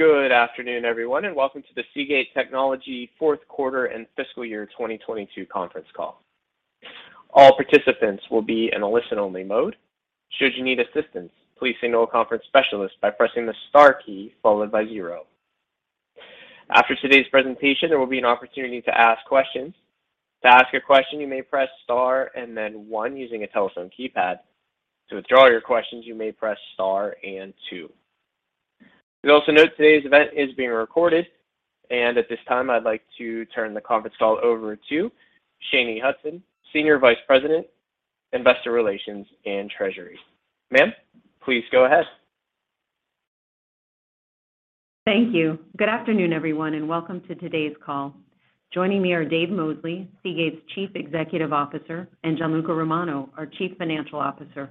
Good afternoon, everyone, and welcome to the Seagate Technology fourth quarter and fiscal year 2022 conference call. All participants will be in a listen-only mode. Should you need assistance, please signal a conference specialist by pressing the star key followed by zero. After today's presentation, there will be an opportunity to ask questions. To ask a question, you may press star and then one using a telephone keypad. To withdraw your questions, you may press star and two. You'll also note today's event is being recorded, and at this time, I'd like to turn the conference call over to Shanye Hudson, Senior Vice President, Investor Relations and Treasury. Ma'am, please go ahead. Thank you. Good afternoon, everyone, and welcome to today's call. Joining me are Dave Mosley, Seagate's Chief Executive Officer, and Gianluca Romano, our Chief Financial Officer.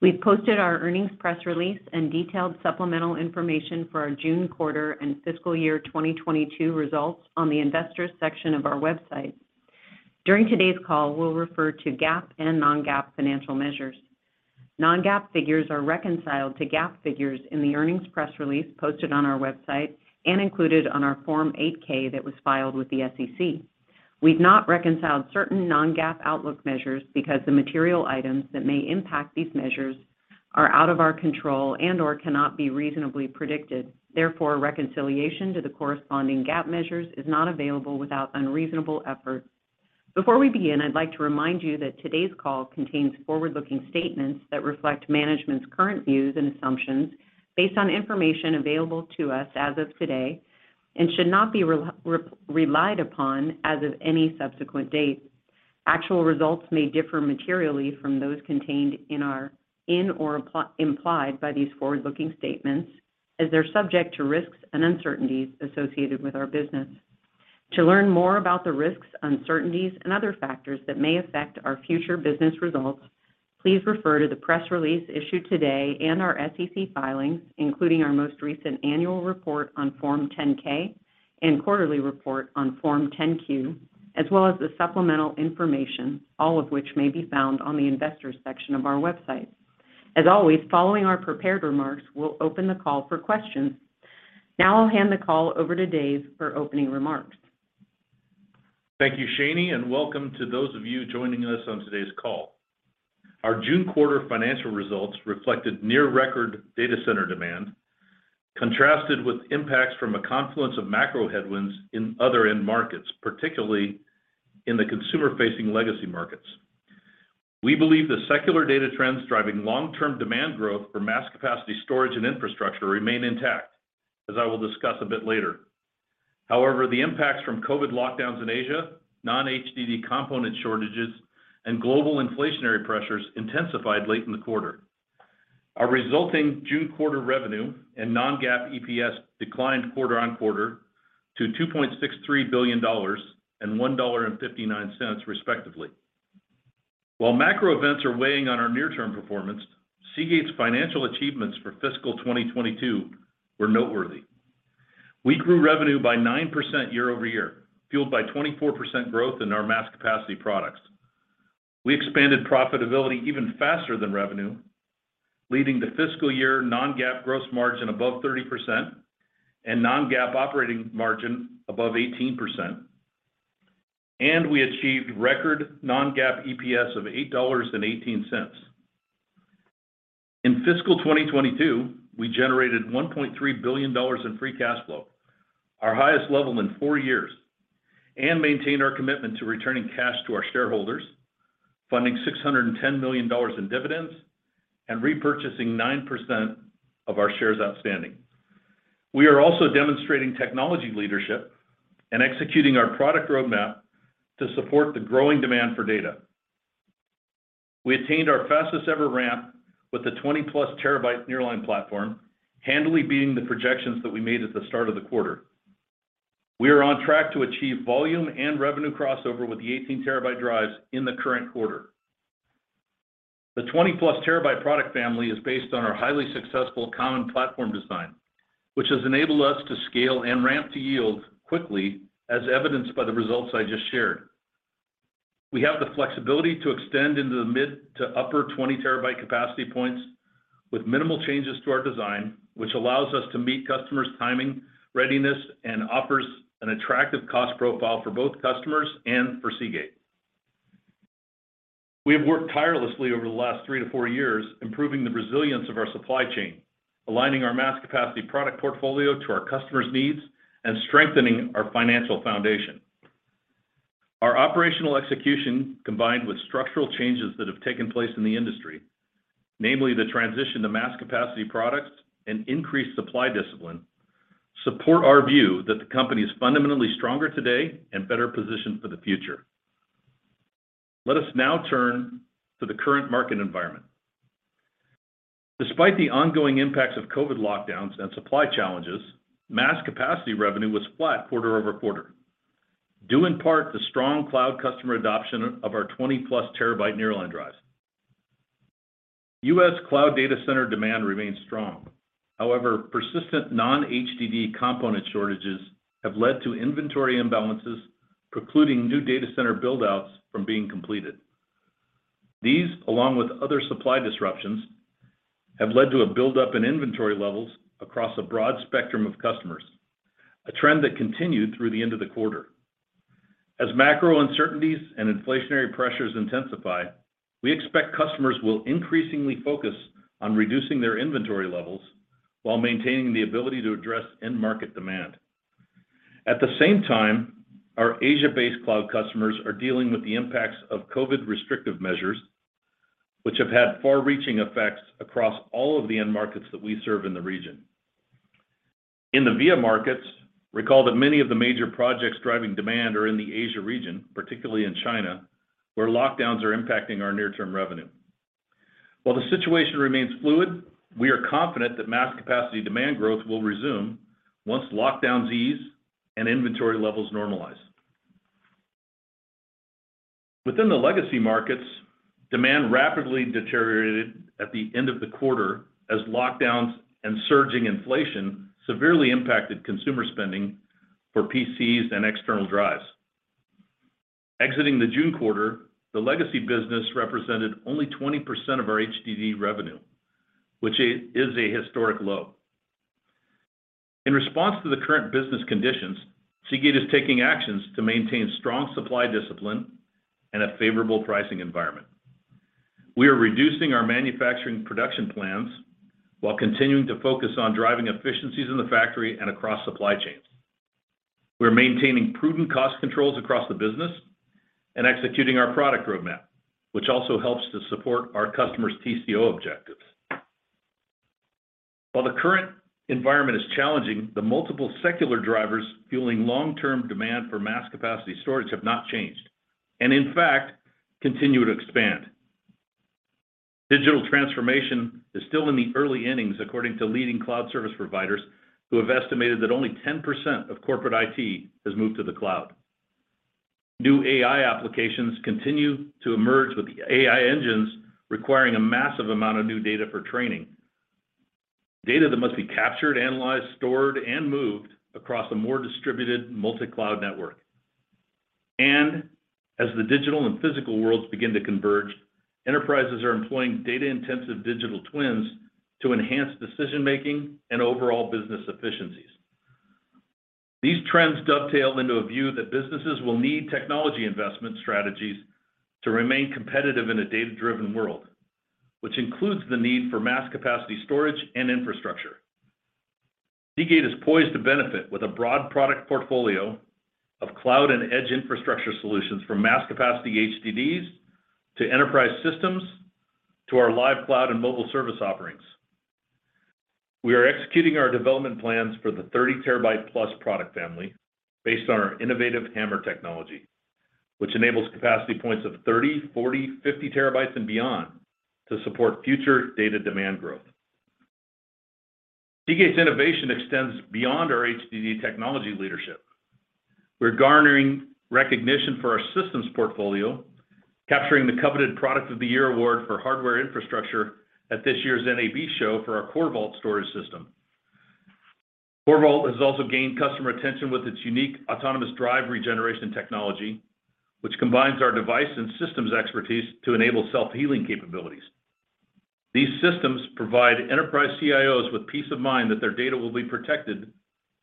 We've posted our earnings press release and detailed supplemental information for our June quarter and fiscal year 2022 results on the Investors section of our website. During today's call, we'll refer to GAAP and non-GAAP financial measures. Non-GAAP figures are reconciled to GAAP figures in the earnings press release posted on our website and included on our Form 8-K that was filed with the SEC. We've not reconciled certain non-GAAP outlook measures because the material items that may impact these measures are out of our control and/or cannot be reasonably predicted. Therefore, reconciliation to the corresponding GAAP measures is not available without unreasonable effort. Before we begin, I'd like to remind you that today's call contains forward-looking statements that reflect management's current views and assumptions based on information available to us as of today and should not be relied upon as of any subsequent date. Actual results may differ materially from those contained in or implied by these forward-looking statements as they're subject to risks and uncertainties associated with our business. To learn more about the risks, uncertainties and other factors that may affect our future business results, please refer to the press release issued today and our SEC filings, including our most recent annual report on Form 10-K and quarterly report on Form 10-Q, as well as the supplemental information, all of which may be found on the Investors section of our website. As always, following our prepared remarks, we'll open the call for questions. Now I'll hand the call over to Dave for opening remarks. Thank you, Shanye, and welcome to those of you joining us on today's call. Our June quarter financial results reflected near record data center demand, contrasted with impacts from a confluence of macro headwinds in other end markets, particularly in the consumer-facing legacy markets. We believe the secular data trends driving long-term demand growth for mass capacity storage and infrastructure remain intact, as I will discuss a bit later. However, the impacts from COVID lockdowns in Asia, non-HDD component shortages and global inflationary pressures intensified late in the quarter. Our resulting June quarter revenue and non-GAAP EPS declined quarter on quarter to $2.63 billion and $1.59 respectively. While macro events are weighing on our near-term performance, Seagate's financial achievements for fiscal 2022 were noteworthy. We grew revenue by 9% year-over-year, fueled by 24% growth in our mass capacity products. We expanded profitability even faster than revenue, leading to fiscal year non-GAAP gross margin above 30% and non-GAAP operating margin above 18%. We achieved record non-GAAP EPS of $8.18. In fiscal 2022, we generated $1.3 billion in free cash flow, our highest level in 4 years, and maintained our commitment to returning cash to our shareholders, funding $610 million in dividends and repurchasing 9% of our shares outstanding. We are also demonstrating technology leadership and executing our product roadmap to support the growing demand for data. We attained our fastest ever ramp with the 20+ TB Nearline platform, handily beating the projections that we made at the start of the quarter. We are on track to achieve volume and revenue crossover with the 18 TB drives in the current quarter. The 20+ TB product family is based on our highly successful common platform design, which has enabled us to scale and ramp to yield quickly, as evidenced by the results I just shared. We have the flexibility to extend into the mid- to upper 20 TB capacity points with minimal changes to our design, which allows us to meet customers' timing, readiness, and offers an attractive cost profile for both customers and for Seagate. We have worked tirelessly over the last three to four years, improving the resilience of our supply chain, aligning our mass capacity product portfolio to our customers' needs, and strengthening our financial foundation. Our operational execution, combined with structural changes that have taken place in the industry, namely the transition to mass capacity products and increased supply discipline, support our view that the company is fundamentally stronger today and better positioned for the future. Let us now turn to the current market environment. Despite the ongoing impacts of COVID lockdowns and supply challenges, mass capacity revenue was flat quarter-over-quarter, due in part to strong cloud customer adoption of our 20+ TB Nearline drives. U.S. cloud data center demand remains strong. However, persistent non-HDD component shortages have led to inventory imbalances, precluding new data center build-outs from being completed. These, along with other supply disruptions, have led to a buildup in inventory levels across a broad spectrum of customers, a trend that continued through the end of the quarter. As macro uncertainties and inflationary pressures intensify, we expect customers will increasingly focus on reducing their inventory levels while maintaining the ability to address end market demand. At the same time, our Asia-based cloud customers are dealing with the impacts of COVID restrictive measures, which have had far-reaching effects across all of the end markets that we serve in the region. In the VIA markets, recall that many of the major projects driving demand are in the Asia region, particularly in China, where lockdowns are impacting our near-term revenue. While the situation remains fluid, we are confident that mass capacity demand growth will resume once lockdowns ease and inventory levels normalize. Within the legacy markets, demand rapidly deteriorated at the end of the quarter as lockdowns and surging inflation severely impacted consumer spending for PCs and external drives. Exiting the June quarter, the legacy business represented only 20% of our HDD revenue, which is a historic low. In response to the current business conditions, Seagate is taking actions to maintain strong supply discipline and a favorable pricing environment. We are reducing our manufacturing production plans while continuing to focus on driving efficiencies in the factory and across supply chains. We're maintaining prudent cost controls across the business and executing our product roadmap, which also helps to support our customers' TCO objectives. While the current environment is challenging, the multiple secular drivers fueling long-term demand for mass capacity storage have not changed, and in fact, continue to expand. Digital transformation is still in the early innings, according to leading cloud service providers, who have estimated that only 10% of corporate IT has moved to the cloud. New AI applications continue to emerge, with the AI engines requiring a massive amount of new data for training. Data that must be captured, analyzed, stored, and moved across a more distributed multi-cloud network. As the digital and physical worlds begin to converge, enterprises are employing data-intensive digital twins to enhance decision-making and overall business efficiencies. These trends dovetail into a view that businesses will need technology investment strategies to remain competitive in a data-driven world, which includes the need for mass capacity storage and infrastructure. Seagate is poised to benefit with a broad product portfolio of cloud and edge infrastructure solutions from mass capacity HDDs to enterprise systems to our Lyve Cloud and mobile service offerings. We are executing our development plans for the 30+ TB product family based on our innovative HAMR technology, which enables capacity points of 30, 40, 50 TBs and beyond to support future data demand growth. Seagate's innovation extends beyond our HDD technology leadership. We're garnering recognition for our systems portfolio, capturing the coveted Product of the Year award for hardware infrastructure at this year's NAB Show for our Exos CORVAULT storage system. Exos CORVAULT has also gained customer attention with its unique autonomous drive regeneration technology, which combines our device and systems expertise to enable self-healing capabilities. These systems provide enterprise CIOs with peace of mind that their data will be protected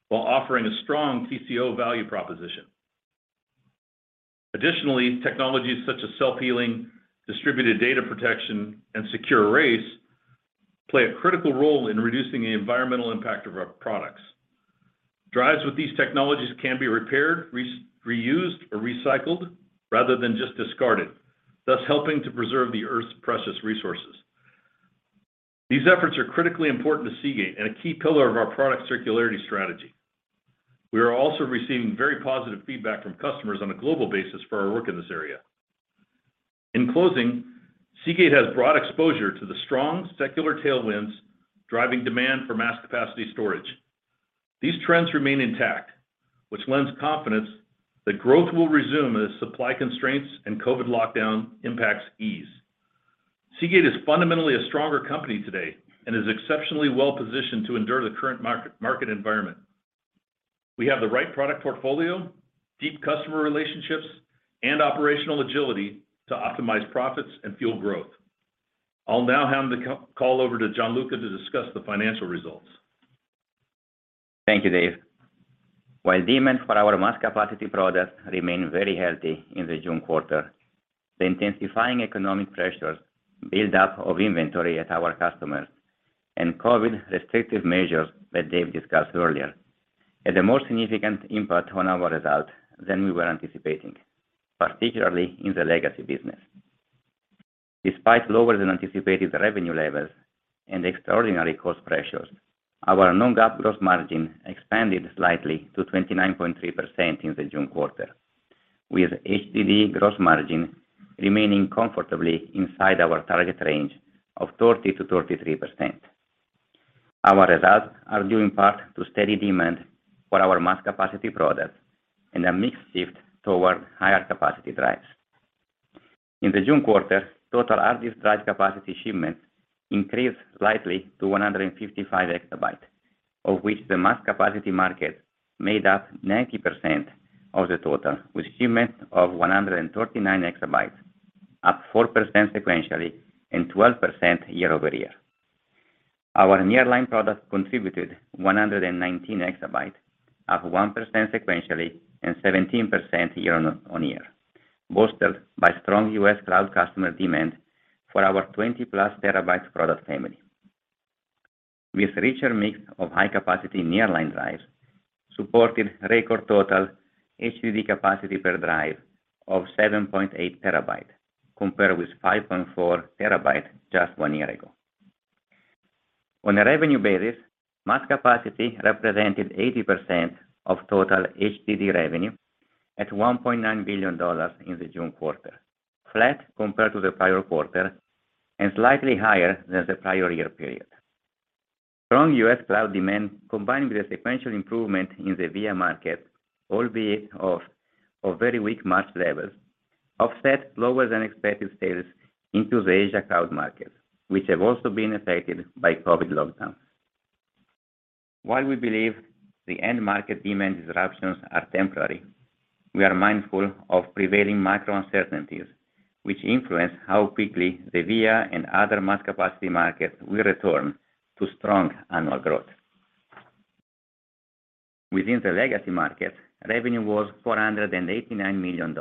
while offering a strong TCO value proposition. Additionally, technologies such as self-healing, distributed data protection, and secure arrays play a critical role in reducing the environmental impact of our products. Drives with these technologies can be repaired, reused, or recycled rather than just discarded, thus helping to preserve the Earth's precious resources. These efforts are critically important to Seagate and a key pillar of our product circularity strategy. We are also receiving very positive feedback from customers on a global basis for our work in this area. In closing, Seagate has broad exposure to the strong secular tailwinds driving demand for mass capacity storage. These trends remain intact, which lends confidence that growth will resume as supply constraints and COVID lockdown impacts ease. Seagate is fundamentally a stronger company today and is exceptionally well-positioned to endure the current market environment. We have the right product portfolio, deep customer relationships, and operational agility to optimize profits and fuel growth. I'll now hand the call over to Gianluca to discuss the financial results. Thank you, Dave. While demand for our mass capacity products remained very healthy in the June quarter, the intensifying economic pressures, build-up of inventory at our customers, and COVID restrictive measures that Dave discussed earlier, had a more significant impact on our results than we were anticipating, particularly in the legacy business. Despite lower than anticipated revenue levels and extraordinary cost pressures, our non-GAAP gross margin expanded slightly to 29.3% in the June quarter, with HDD gross margin remaining comfortably inside our target range of 30%-33%. Our results are due in part to steady demand for our mass capacity products and a mix shift toward higher capacity drives. In the June quarter, total average drive capacity shipments increased slightly to 155 EB. Of which the mass capacity market made up 90% of the total, with shipments of 139 EB, up 4% sequentially and 12% year-over-year. Our nearline product contributed 119 EB, up 1% sequentially and 17% year-over-year, bolstered by strong U.S. cloud customer demand for our 20+ TB product family. Richer mix of high capacity nearline drives supported record total HDD capacity per drive of 7.8 TB, compared with 5.4 TB just one year ago. On a revenue basis, mass capacity represented 80% of total HDD revenue at $1.9 billion in the June quarter, flat compared to the prior quarter and slightly higher than the prior year period. Strong US cloud demand, combined with a sequential improvement in the via market, albeit off a very weak mass levels, offset lower than expected sales into the Asia cloud market, which have also been affected by COVID lockdowns. While we believe the end market demand disruptions are temporary, we are mindful of prevailing macro uncertainties which influence how quickly the via and other mass capacity markets will return to strong annual growth. Within the legacy market, revenue was $489 million,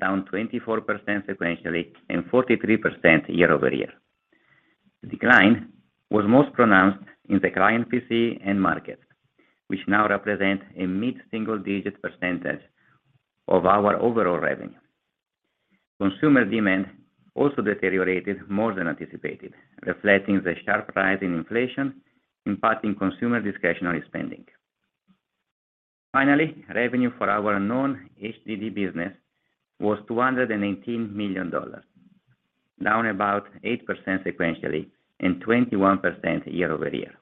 down 24% sequentially and 43% year-over-year. Decline was most pronounced in the client PC end market, which now represent a mid-single digit percentage of our overall revenue. Consumer demand also deteriorated more than anticipated, reflecting the sharp rise in inflation impacting consumer discretionary spending. Finally, revenue for our non-HDD business was $218 million, down about 8% sequentially and 21% year-over-year.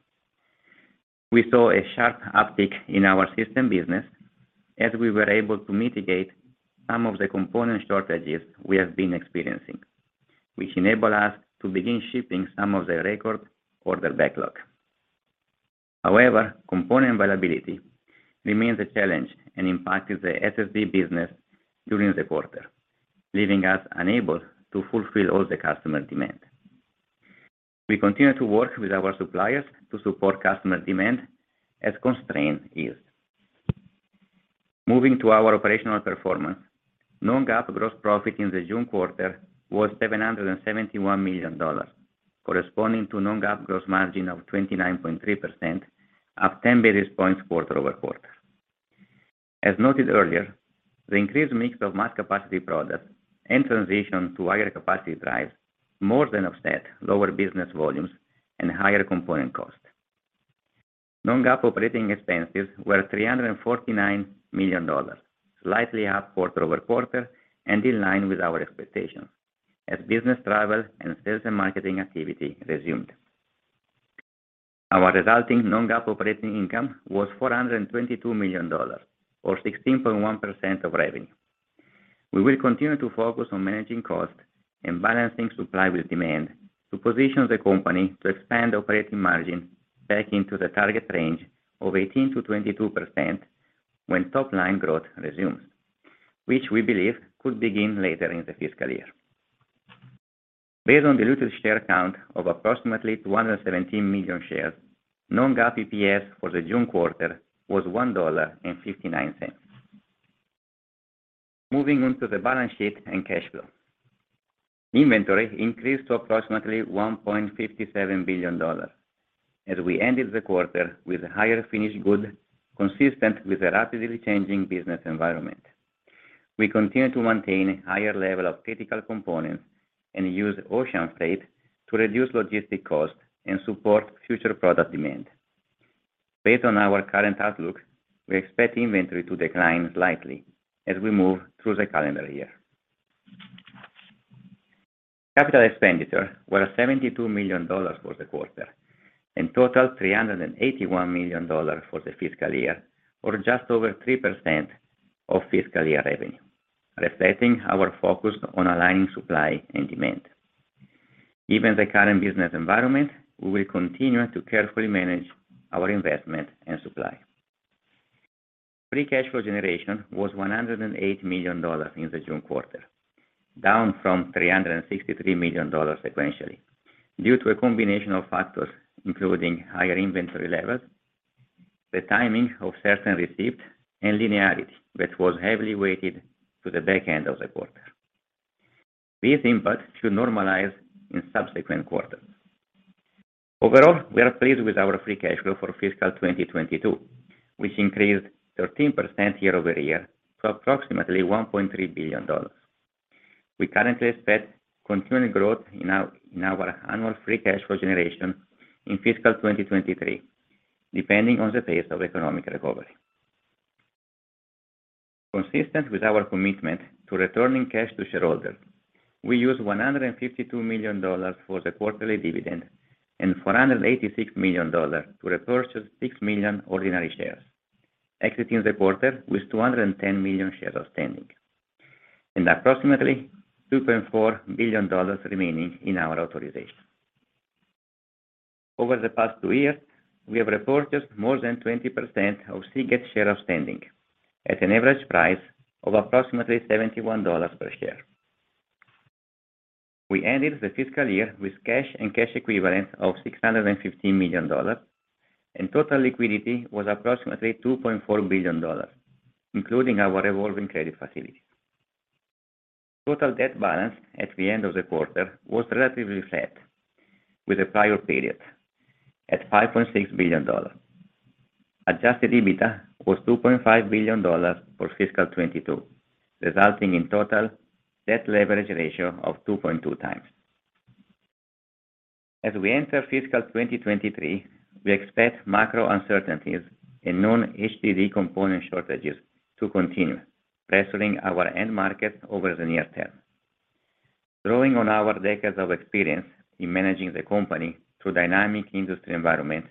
We saw a sharp uptick in our system business as we were able to mitigate some of the component shortages we have been experiencing, which enable us to begin shipping some of the record order backlog. However, component availability remains a challenge and impacted the SSD business during the quarter, leaving us unable to fulfill all the customer demand. We continue to work with our suppliers to support customer demand as constraints eased. Moving to our operational performance. Non-GAAP gross profit in the June quarter was $771 million, corresponding to non-GAAP gross margin of 29.3%, up 10 basis points quarter-over-quarter. As noted earlier, the increased mix of mass capacity products and transition to higher capacity drives more than offset lower business volumes and higher component costs. non-GAAP operating expenses were $349 million, slightly up quarter-over-quarter and in line with our expectations as business travel and sales and marketing activity resumed. Our resulting non-GAAP operating income was $422 million or 16.1% of revenue. We will continue to focus on managing cost and balancing supply with demand to position the company to expand operating margin back into the target range of 18%-22% when top line growth resumes, which we believe could begin later in the fiscal year. Based on diluted share count of approximately 117 million shares, non-GAAP EPS for the June quarter was $1.59. Moving on to the balance sheet and cash flow. Inventory increased to approximately $1.57 billion as we ended the quarter with higher finished goods consistent with the rapidly changing business environment. We continue to maintain higher levels of critical components and use ocean freight to reduce logistics costs and support future product demand. Based on our current outlook, we expect inventory to decline slightly as we move through the calendar year. Capital expenditures were $72 million for the quarter and total $381 million for the fiscal year or just over 3% of fiscal year revenue, reflecting our focus on aligning supply and demand. Given the current business environment, we will continue to carefully manage our investment and supply. Free cash flow generation was $108 million in the June quarter, down from $363 million sequentially due to a combination of factors including higher inventory levels, the timing of certain receipts and linearity, which was heavily weighted to the back end of the quarter. These impacts should normalize in subsequent quarters. Overall, we are pleased with our free cash flow for fiscal 2022, which increased 13% year-over-year to approximately $1.3 billion. We currently expect continued growth in our annual free cash flow generation in fiscal 2023, depending on the pace of economic recovery. Consistent with our commitment to returning cash to shareholders, we used $152 million for the quarterly dividend and $486 million to repurchase six million ordinary shares, exiting the quarter with 210 million shares outstanding. Approximately $2.4 billion remaining in our authorization. Over the past two years, we have repurchased more than 20% of Seagate shares outstanding at an average price of approximately $71 per share. We ended the fiscal year with cash and cash equivalents of $615 million, and total liquidity was approximately $2.4 billion, including our revolving credit facility. Total debt balance at the end of the quarter was relatively flat with the prior period at $5.6 billion. Adjusted EBITDA was $2.5 billion for fiscal 2022, resulting in total debt leverage ratio of 2.2x. As we enter fiscal 2023, we expect macro uncertainties and known HDD component shortages to continue, pressuring our end market over the near term. Drawing on our decades of experience in managing the company through dynamic industry environment,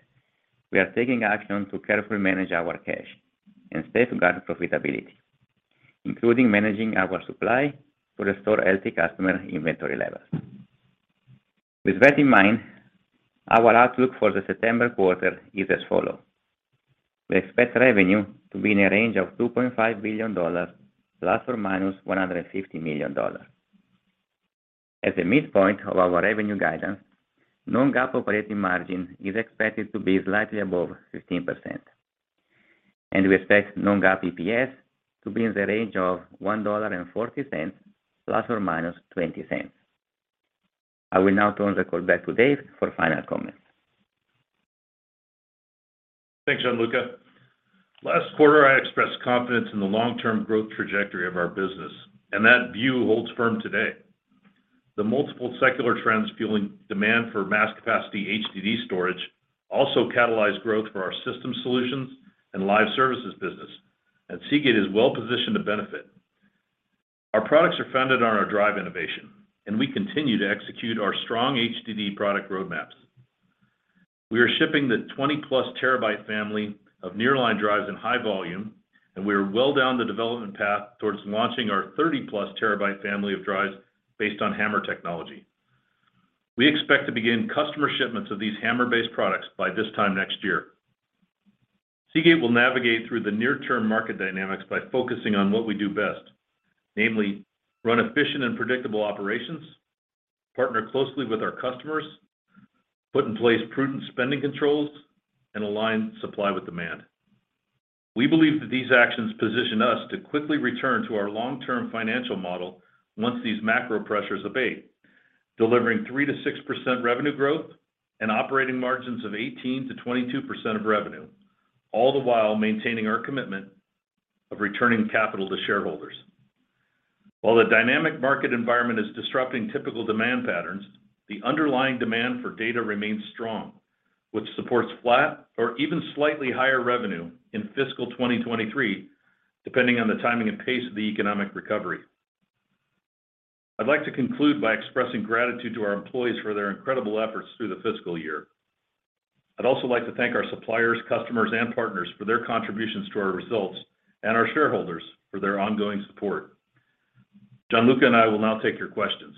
we are taking action to carefully manage our cash and safeguard profitability, including managing our supply to restore healthy customer inventory levels. With that in mind, our outlook for the September quarter is as follow. We expect revenue to be in a range of $2.5 billion ± $150 million. At the midpoint of our revenue guidance, non-GAAP operating margin is expected to be slightly above 15%, and we expect non-GAAP EPS to be in the range of $1.40 ± $0.20. I will now turn the call back to Dave for final comments. Thanks, Gianluca. Last quarter, I expressed confidence in the long-term growth trajectory of our business, and that view holds firm today. The multiple secular trends fueling demand for mass capacity HDD storage also catalyze growth for our system solutions and Lyve services business, and Seagate is well-positioned to benefit. Our products are founded on our drive innovation, and we continue to execute our strong HDD product roadmaps. We are shipping the 20+ TB family of nearline drives in high volume, and we are well down the development path towards launching our 30+ TB family of drives based on HAMR technology. We expect to begin customer shipments of these HAMR-based products by this time next year. Seagate will navigate through the near-term market dynamics by focusing on what we do best, namely run efficient and predictable operations, partner closely with our customers, put in place prudent spending controls, and align supply with demand. We believe that these actions position us to quickly return to our long-term financial model once these macro pressures abate, delivering 3%-6% revenue growth and operating margins of 18%-22% of revenue, all the while maintaining our commitment of returning capital to shareholders. While the dynamic market environment is disrupting typical demand patterns, the underlying demand for data remains strong, which supports flat or even slightly higher revenue in fiscal 2023, depending on the timing and pace of the economic recovery. I'd like to conclude by expressing gratitude to our employees for their incredible efforts through the fiscal year. I'd also like to thank our suppliers, customers, and partners for their contributions to our results and our shareholders for their ongoing support. Gianluca and I will now take your questions.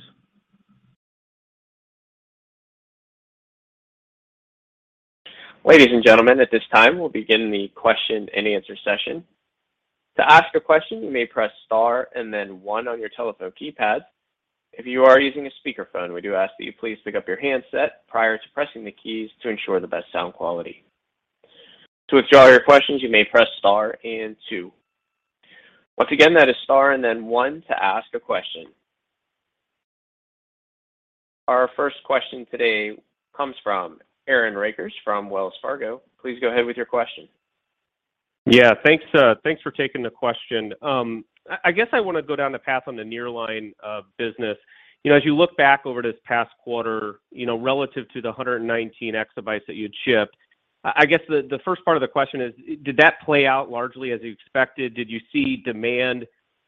Ladies and gentlemen, at this time, we'll begin the question and answer session. To ask a question, you may press star and then one on your telephone keypad. If you are using a speakerphone, we do ask that you please pick up your handset prior to pressing the keys to ensure the best sound quality. To withdraw your questions, you may press star and two. Once again, that is star and then one to ask a question. Our first question today comes from Aaron Rakers from Wells Fargo. Please go ahead with your question. Yeah, thanks for taking the question. I guess I wanna go down the path on the Nearline business. You know, as you look back over this past quarter, you know, relative to the 119 exabytes that you'd shipped, I guess the first part of the question is, did that play out largely as you expected? Did you see demand,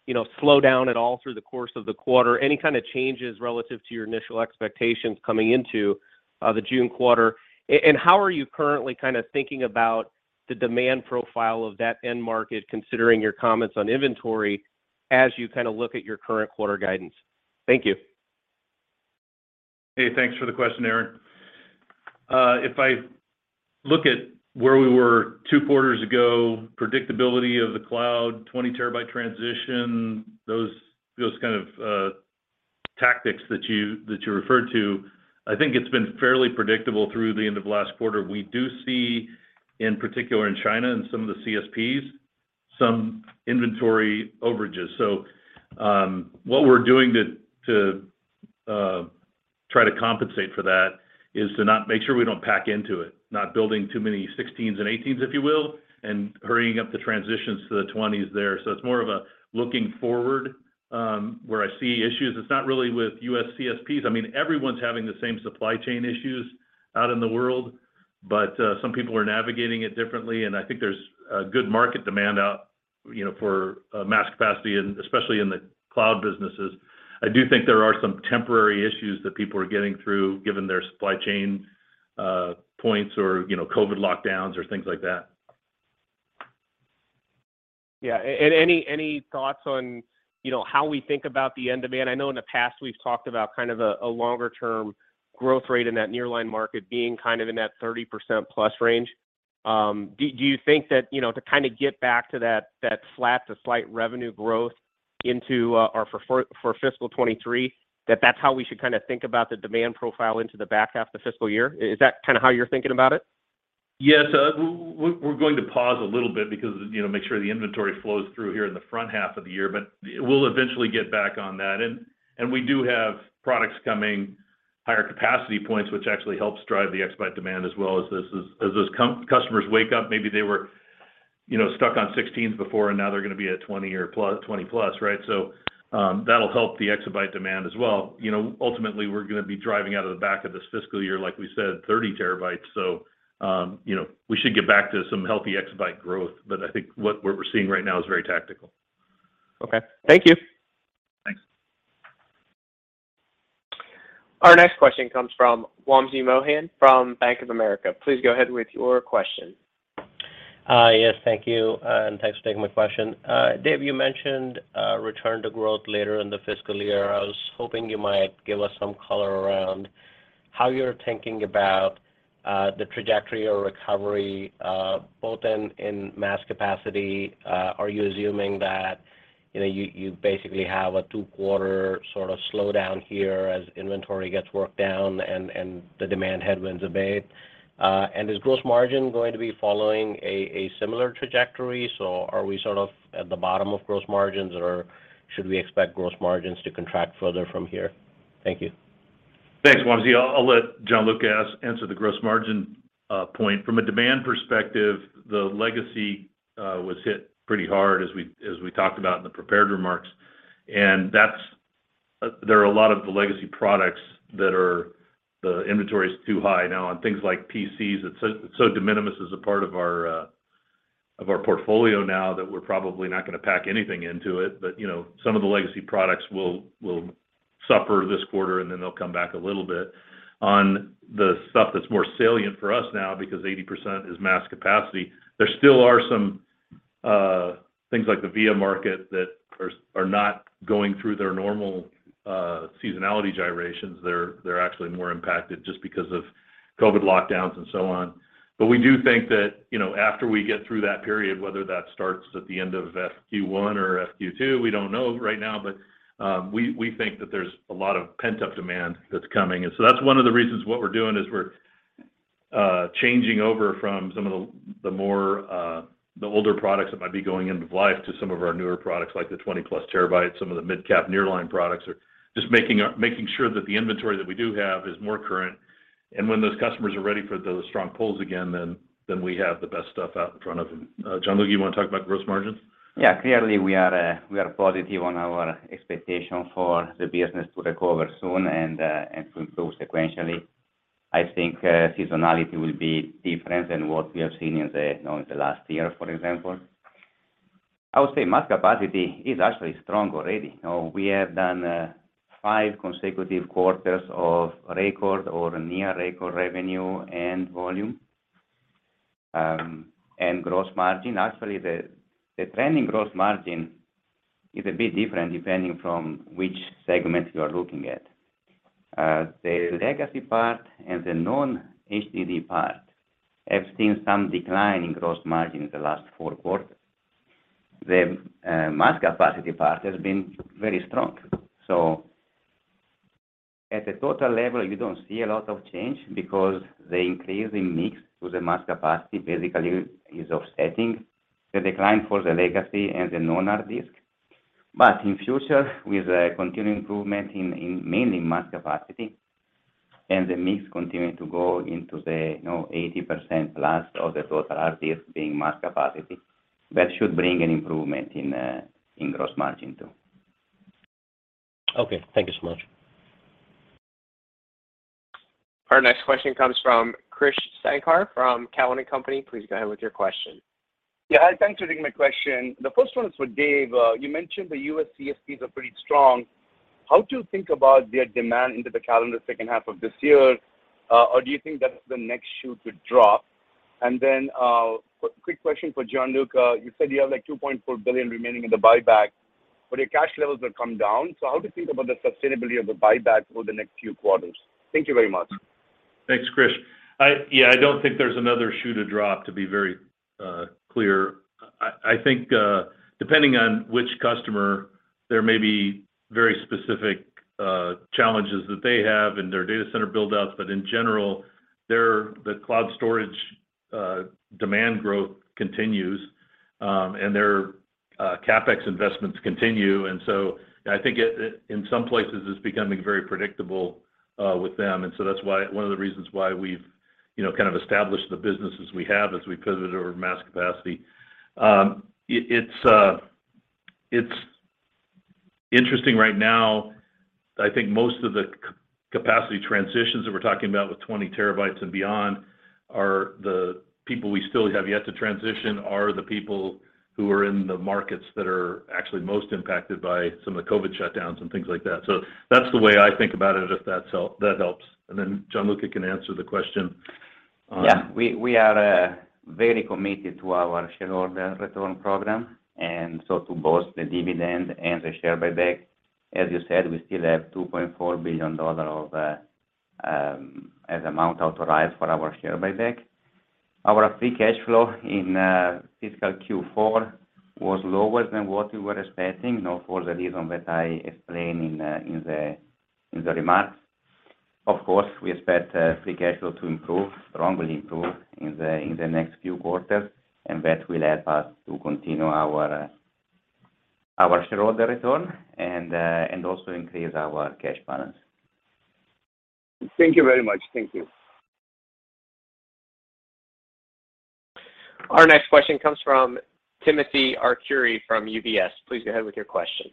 you know, slow down at all through the course of the quarter? Any kind of changes relative to your initial expectations coming into the June quarter? And how are you currently kind of thinking about the demand profile of that end market, considering your comments on inventory as you kind of look at your current quarter guidance? Thank you. Hey, thanks for the question, Aaron. If I look at where we were two quarters ago, predictability of the cloud, 20 TB transition, those kind of tactics that you referred to, I think it's been fairly predictable through the end of last quarter. We do see, in particular in China and some of the CSPs, some inventory overages. What we're doing to try to compensate for that is to make sure we don't pack into it, not building too many 16s and 18s, if you will, and hurrying up the transitions to the 20s there. It's more of a looking forward, where I see issues. It's not really with U.S. CSPs. I mean, everyone's having the same supply chain issues out in the world, but some people are navigating it differently, and I think there's a good market demand out, you know, for mass capacity, and especially in the cloud businesses. I do think there are some temporary issues that people are getting through, given their supply chain points or, you know, COVID lockdowns or things like that. Yeah. Any thoughts on, you know, how we think about the end demand? I know in the past we've talked about kind of a longer term growth rate in that Nearline market being kind of in that 30% plus range. Do you think that, you know, to kind of get back to that flat to slight revenue growth into or for fiscal 2023, that's how we should kind of think about the demand profile into the back half of the fiscal year? Is that kind of how you're thinking about it? Yes. We're going to pause a little bit because, you know, make sure the inventory flows through here in the front half of the year, but we'll eventually get back on that. We do have products coming, higher capacity points, which actually helps drive the exabyte demand as well as those customers wake up. Maybe they were, you know, stuck on 16s before, and now they're gonna be at 20 or plus, 20+, right? That'll help the exabyte demand as well. You know, ultimately, we're gonna be driving out of the back of this fiscal year, like we said, 30 TB, so, you know, we should get back to some healthy exabyte growth. But I think what we're seeing right now is very tactical. Okay. Thank you. Thanks. Our next question comes from Wamsi Mohan from Bank of America. Please go ahead with your question. Yes, thank you, and thanks for taking my question. Dave, you mentioned a return to growth later in the fiscal year. I was hoping you might give us some color around how you're thinking about the trajectory or recovery both in mass capacity. Are you assuming that, you know, you basically have a two-quarter sort of slowdown here as inventory gets worked down and the demand headwinds abate? And is gross margin going to be following a similar trajectory? Are we sort of at the bottom of gross margins or should we expect gross margins to contract further from here? Thank you. Thanks, Wamsi. I'll let Gianluca answer the gross margin point. From a demand perspective, the legacy was hit pretty hard as we talked about in the prepared remarks. There are a lot of legacy products that the inventory is too high now on things like PCs. It's so de minimis as a part of our portfolio now that we're probably not gonna pack anything into it. You know, some of the legacy products will suffer this quarter, and then they'll come back a little bit. On the stuff that's more salient for us now because 80% is mass capacity, there still are some things like the VIA market that are not going through their normal seasonality gyrations. They're actually more impacted just because of COVID lockdowns and so on. We do think that, you know, after we get through that period, whether that starts at the end of FY one or FY two, we don't know right now, but we think that there's a lot of pent-up demand that's coming. That's one of the reasons what we're doing is we're changing over from some of the more, the older products that might be going end of life to some of our newer products, like the 20+ TB, some of the mid-cap nearline products. Or just making sure that the inventory that we do have is more current. When those customers are ready for those strong pulls again, then we have the best stuff out in front of them. Gianluca, you want to talk about gross margins? Yeah. Clearly, we are positive on our expectation for the business to recover soon and to improve sequentially. I think seasonality will be different than what we have seen in the last year, for example. I would say mass capacity is actually strong already. You know, we have done five consecutive quarters of record or near record revenue and volume and gross margin. Actually, the trending gross margin is a bit different depending on which segment you are looking at. The legacy part and the non-HDD part have seen some decline in gross margin in the last four quarters. The mass capacity part has been very strong. At a total level, you don't see a lot of change because the increase in mix to the mass capacity basically is offsetting the decline for the legacy and the non-HDD. In future, with a continued improvement in mainly mass capacity and the mix continuing to go into the, you know, 80%+ of the total hard disk being mass capacity, that should bring an improvement in gross margin too. Okay. Thank you so much. Our next question comes from Krish Sankar from Cowen and Company. Please go ahead with your question. Yeah. Thanks for taking my question. The first one is for Dave. You mentioned the U.S. CSPs are pretty strong. How do you think about their demand into the calendar second half of this year? Or do you think that's the next shoe to drop? Quick question for Gianluca. You said you have, like, $2.4 billion remaining in the buyback, but your cash levels have come down. So how do you think about the sustainability of the buyback over the next few quarters? Thank you very much. Thanks, Krish. Yeah, I don't think there's another shoe to drop, to be very clear. I think, depending on which customer, there may be very specific challenges that they have in their data center buildouts. In general, the cloud storage demand growth continues, and their CapEx investments continue. I think it, in some places, is becoming very predictable with them. That's why one of the reasons why we've, you know, kind of established the business as we have as we pivoted over to mass capacity. It's interesting right now. I think most of the capacity transitions that we're talking about with 20 TB and beyond are the people who are in the markets that are actually most impacted by some of the COVID shutdowns and things like that. That's the way I think about it, if that helps. Gianluca can answer the question. Yeah. We are very committed to our shareholder return program, and so to both the dividend and the share buyback. As you said, we still have $2.4 billion authorized for our share buyback. Our free cash flow in fiscal Q4 was lower than what we were expecting, you know, for the reason that I explained in the remarks. Of course, we expect free cash flow to improve, strongly improve in the next few quarters, and that will help us to continue our shareholder return and also increase our cash balance. Thank you very much. Thank you. Our next question comes from Timothy Arcuri from UBS. Please go ahead with your question.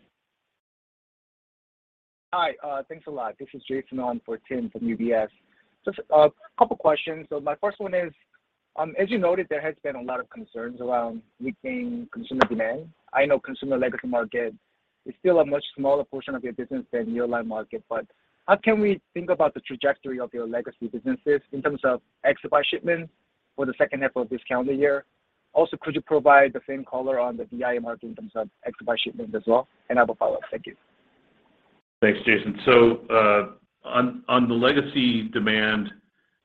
Hi. Thanks a lot. This is Jason on for Timothy Arcuri from UBS. Just a couple questions. My first one is, as you noted, there has been a lot of concerns around weakening consumer demand. I know consumer legacy market is still a much smaller portion of your business than your nearline market, but how can we think about the trajectory of your legacy businesses in terms of exabyte shipments for the second half of this calendar year? Also, could you provide the same color on the BI market in terms of exabyte shipment as well? I have a follow-up. Thank you. Thanks, Jason. On the legacy demand,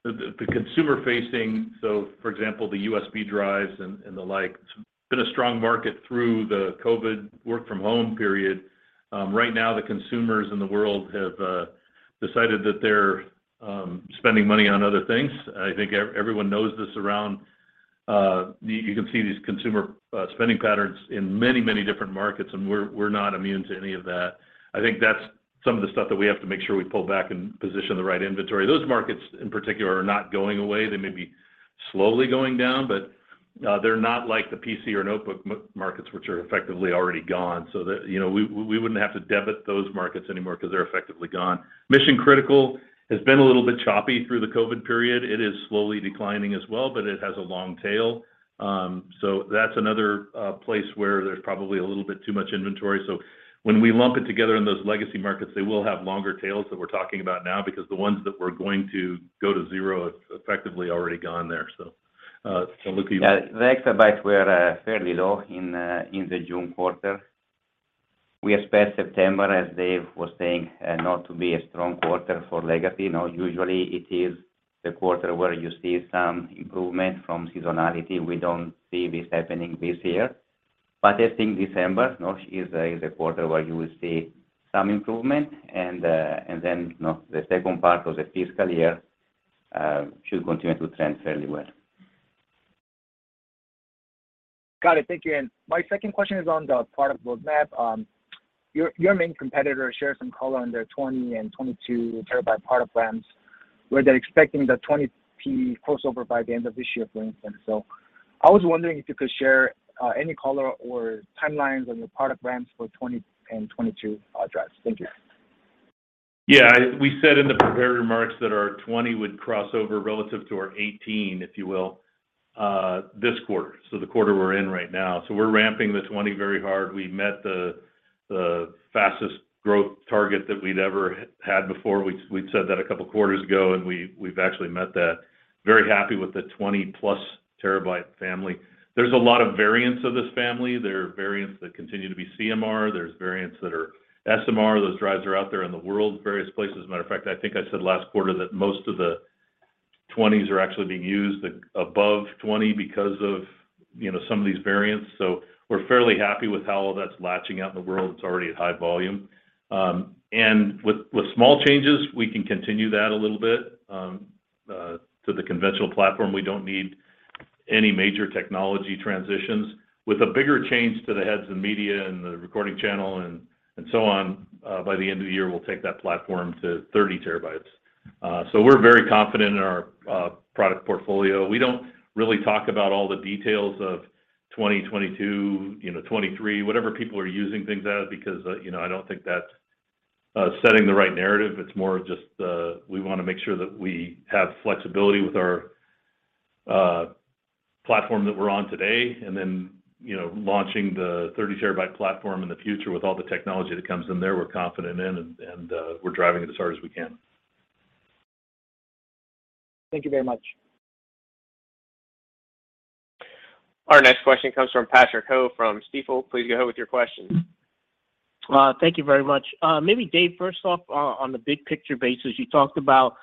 the consumer-facing, so for example, the USB drives and the like, it's been a strong market through the COVID work from home period. Right now, the consumers in the world have decided that they're spending money on other things. I think everyone knows this around, you can see these consumer spending patterns in many different markets, and we're not immune to any of that. I think that's some of the stuff that we have to make sure we pull back and position the right inventory. Those markets in particular are not going away. They may be slowly going down, but, they're not like the PC or notebook markets, which are effectively already gone. The... You know, we wouldn't have to debit those markets anymore 'cause they're effectively gone. Mission-critical has been a little bit choppy through the COVID period. It is slowly declining as well, but it has a long tail. That's another place where there's probably a little bit too much inventory. When we lump it together in those legacy markets, they will have longer tails that we're talking about now because the ones that we're going to go to zero, it's effectively already gone there. Yeah. The exabytes were fairly low in the June quarter. We expect September, as Dave was saying, not to be a strong quarter for legacy. You know, usually it is the quarter where you see some improvement from seasonality. We don't see this happening this year. I think December, you know, is a quarter where you will see some improvement and then, you know, the second part of the fiscal year should continue to trend fairly well. Got it. Thank you. My second question is on the product roadmap. Your main competitor shared some color on their 20 and 22 TB product plans, where they're expecting the 20 TB crossover by the end of this year, for instance. I was wondering if you could share any color or timelines on your product plans for 20 and 22 TB drives. Thank you. Yeah. We said in the prepared remarks that our 20 would cross over relative to our 18, if you will, this quarter, so the quarter we're in right now. We're ramping the 20 very hard. We met the fastest growth target that we'd ever had before. We'd said that a couple quarters ago, and we've actually met that. Very happy with the 20+ TB family. There's a lot of variants of this family. There are variants that continue to be CMR. There's variants that are SMR. Those drives are out there in the world, various places. Matter of fact, I think I said last quarter that most of the 20s are actually being used above 20 because of, you know, some of these variants. We're fairly happy with how all that's playing out in the world. It's already at high volume. With small changes, we can continue that a little bit to the conventional platform. We don't need any major technology transitions. With a bigger change to the heads and media and the recording channel and so on, by the end of the year, we'll take that platform to 30 TB. So we're very confident in our product portfolio. We don't really talk about all the details of 2020, 2022, you know, 2023, whatever people are using things as, because, you know, I don't think that's setting the right narrative. It's more of just we wanna make sure that we have flexibility with our platform that we're on today, and then, you know, launching the 30 TB platform in the future with all the technology that comes in there, we're confident in and we're driving it as hard as we can. Thank you very much. Our next question comes from Patrick Ho from Stifel. Please go ahead with your question. Thank you very much. Maybe Dave, first off, on the big picture basis, you talked about,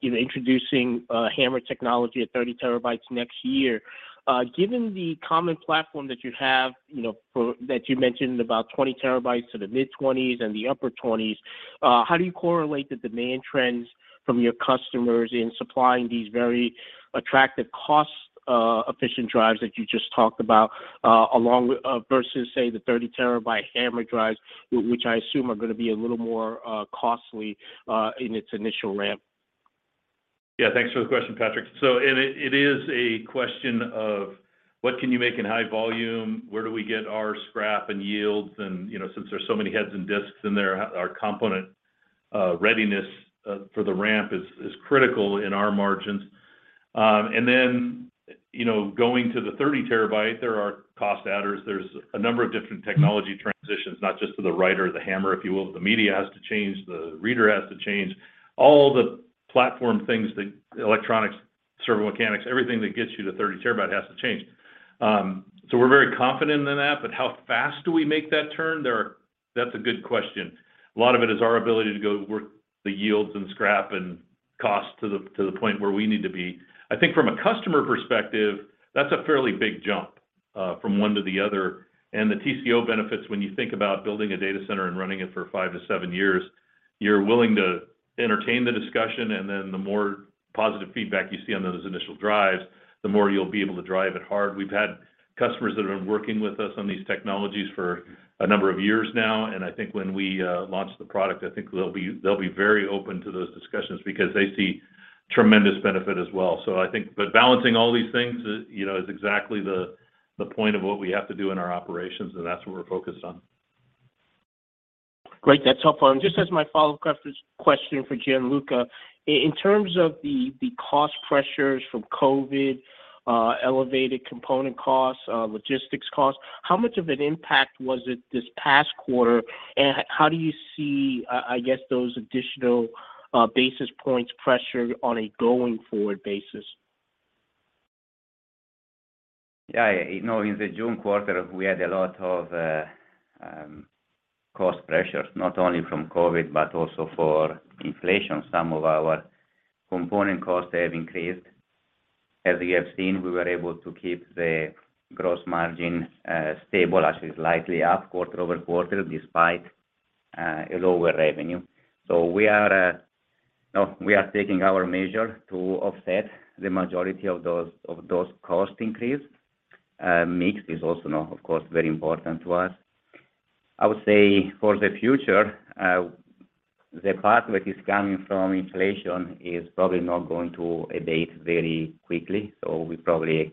you know, introducing HAMR technology at 30 TBs next year. Given the common platform that you have, you know, that you mentioned about 20 TBs to the mid-20s and the upper 20s, how do you correlate the demand trends from your customers in supplying these very attractive cost efficient drives that you just talked about, along with versus, say, the 30 TB HAMR drives, which I assume are gonna be a little more costly in its initial ramp? Yeah. Thanks for the question, Patrick. It is a question of what can you make in high volume? Where do we get our scrap and yields? You know, since there's so many heads and disks in there, our component readiness for the ramp is critical in our margins. And then, you know, going to the 30 TB, there are cost adders. There's a number of different technology transitions, not just to the writer, the HAMR, if you will, the media has to change, the reader has to change. All the platform things, the electronics, servo mechanics, everything that gets you to 30 TB has to change. We're very confident in that, but how fast do we make that turn? That's a good question. A lot of it is our ability to go work the yields and scrap and cost to the point where we need to be. I think from a customer perspective, that's a fairly big jump from one to the other. The TCO benefits when you think about building a data center and running it for 5-7 years, you're willing to entertain the discussion, and then the more positive feedback you see on those initial drives, the more you'll be able to drive it hard. We've had customers that have been working with us on these technologies for a number of years now, and I think when we launch the product, I think they'll be very open to those discussions because they see tremendous benefit as well. balancing all these things, you know, is exactly the point of what we have to do in our operations, and that's what we're focused on. Great. That's helpful. Just as my follow up question for Gianluca Romano. In terms of the cost pressures from COVID, elevated component costs, logistics costs, how much of an impact was it this past quarter? How do you see, I guess those additional basis points pressure on a going forward basis? Yeah. You know, in the June quarter, we had a lot of cost pressures, not only from COVID, but also from inflation. Some of our component costs have increased. As you have seen, we were able to keep the gross margin stable, actually slightly up quarter-over-quarter despite a lower revenue. We are, you know, taking measures to offset the majority of those cost increases. Mix is also now, of course, very important to us. I would say for the future, the part which is coming from inflation is probably not going to abate very quickly, so we probably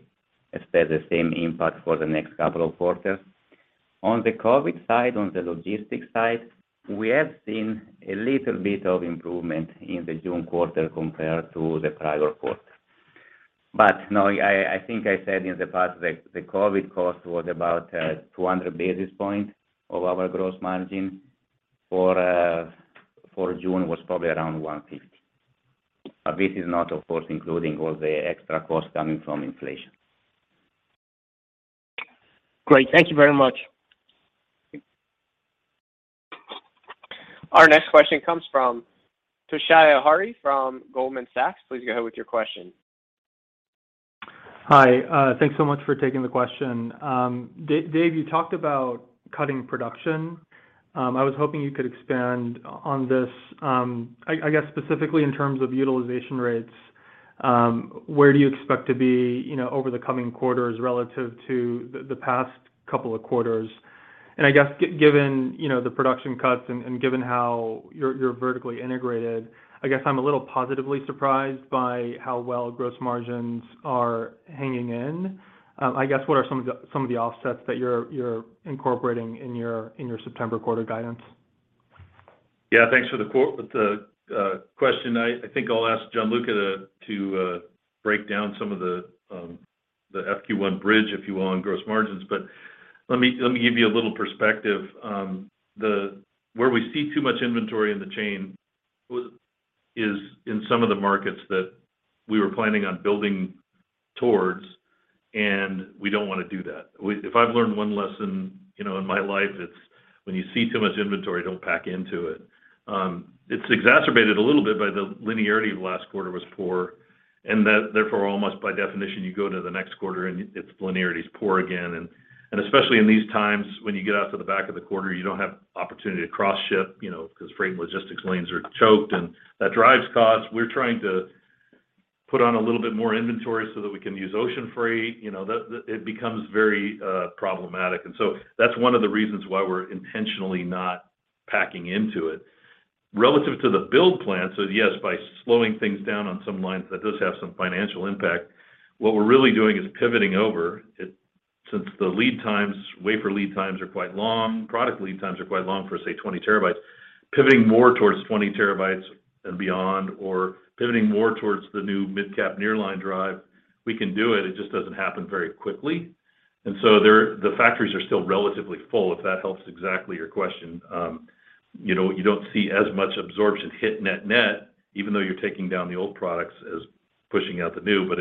expect the same impact for the next couple of quarters. On the COVID side, on the logistics side, we have seen a little bit of improvement in the June quarter compared to the prior quarter. No, I think I said in the past that the COVID cost was about 200 basis points of our gross margin. For June was probably around 150. This is not of course including all the extra costs coming from inflation. Great. Thank you very much. Our next question comes from Toshiya Hari from Goldman Sachs. Please go ahead with your question. Hi. Thanks so much for taking the question. Dave, you talked about cutting production. I was hoping you could expand on this. I guess specifically in terms of utilization rates, where do you expect to be, you know, over the coming quarters relative to the past couple of quarters? I guess given, you know, the production cuts and given how you're vertically integrated, I guess I'm a little positively surprised by how well gross margins are hanging in. I guess what are some of the offsets that you're incorporating in your September quarter guidance? Yeah. Thanks for the question. I think I'll ask Gianluca Romano to break down some of the FQ one bridge, if you will, on gross margins. Let me give you a little perspective. Where we see too much inventory in the chain is in some of the markets that we were planning on building towards, and we don't wanna do that. If I've learned one lesson, you know, in my life, it's when you see too much inventory, don't pack into it. It's exacerbated a little bit by the linearity of last quarter was poor, and that therefore, almost by definition, you go to the next quarter and its linearity is poor again. Especially in these times, when you get out to the back of the quarter, you don't have opportunity to cross-ship, you know, because freight and logistics lanes are choked, and that drives costs. We're trying to put on a little bit more inventory so that we can use ocean freight. You know, it becomes very problematic. That's one of the reasons why we're intentionally not packing into it. Relative to the build plan, so yes, by slowing things down on some lines, that does have some financial impact. What we're really doing is pivoting over it. Since the lead times, wafer lead times are quite long, product lead times are quite long for say, 20 TBs. Pivoting more towards 20 TBs and beyond, or pivoting more towards the new mid-cap nearline drive, we can do it just doesn't happen very quickly. The factories are still relatively full, if that helps answer your question. You know, you don't see as much absorption hit net-net, even though you're taking down the old products and pushing out the new. But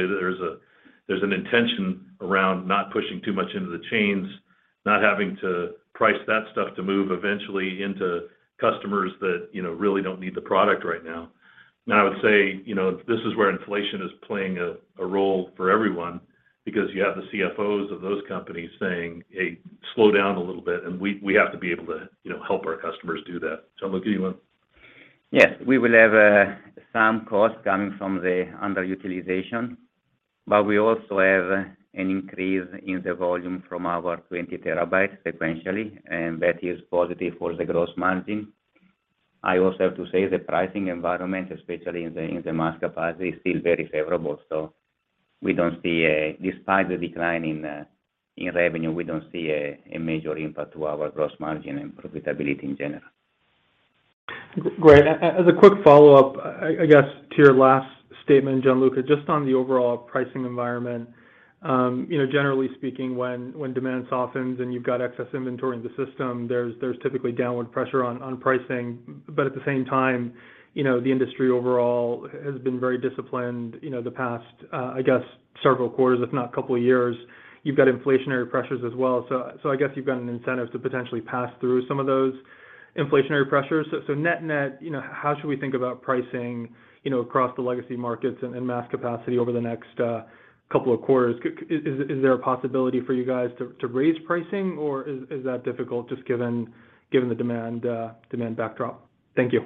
there's an intention around not pushing too much into the channel, not having to price that stuff to move to customers that, you know, really don't need the product right now. I would say, you know, this is where inflation is playing a role for everyone because you have the CFOs of those companies saying, "Hey, slow down a little bit," and we have to be able to, you know, help our customers do that. Look at you. Yes. We will have some costs coming from the underutilization, but we also have an increase in the volume from our 20 TB sequentially, and that is positive for the gross margin. I also have to say the pricing environment, especially in the mass capacity, is still very favorable. Despite the decline in revenue, we don't see a major impact to our gross margin and profitability in general. Great. As a quick follow-up, I guess to your last statement, Gianluca, just on the overall pricing environment, you know, generally speaking, when demand softens and you've got excess inventory in the system, there's typically downward pressure on pricing. But at the same time, you know, the industry overall has been very disciplined, you know, the past, I guess several quarters, if not couple years. You've got inflationary pressures as well. So I guess you've got an incentive to potentially pass through some of those inflationary pressures. So net-net, you know, how should we think about pricing, you know, across the legacy markets and mass capacity over the next couple of quarters? Is there a possibility for you guys to raise pricing, or is that difficult just given the demand backdrop? Thank you.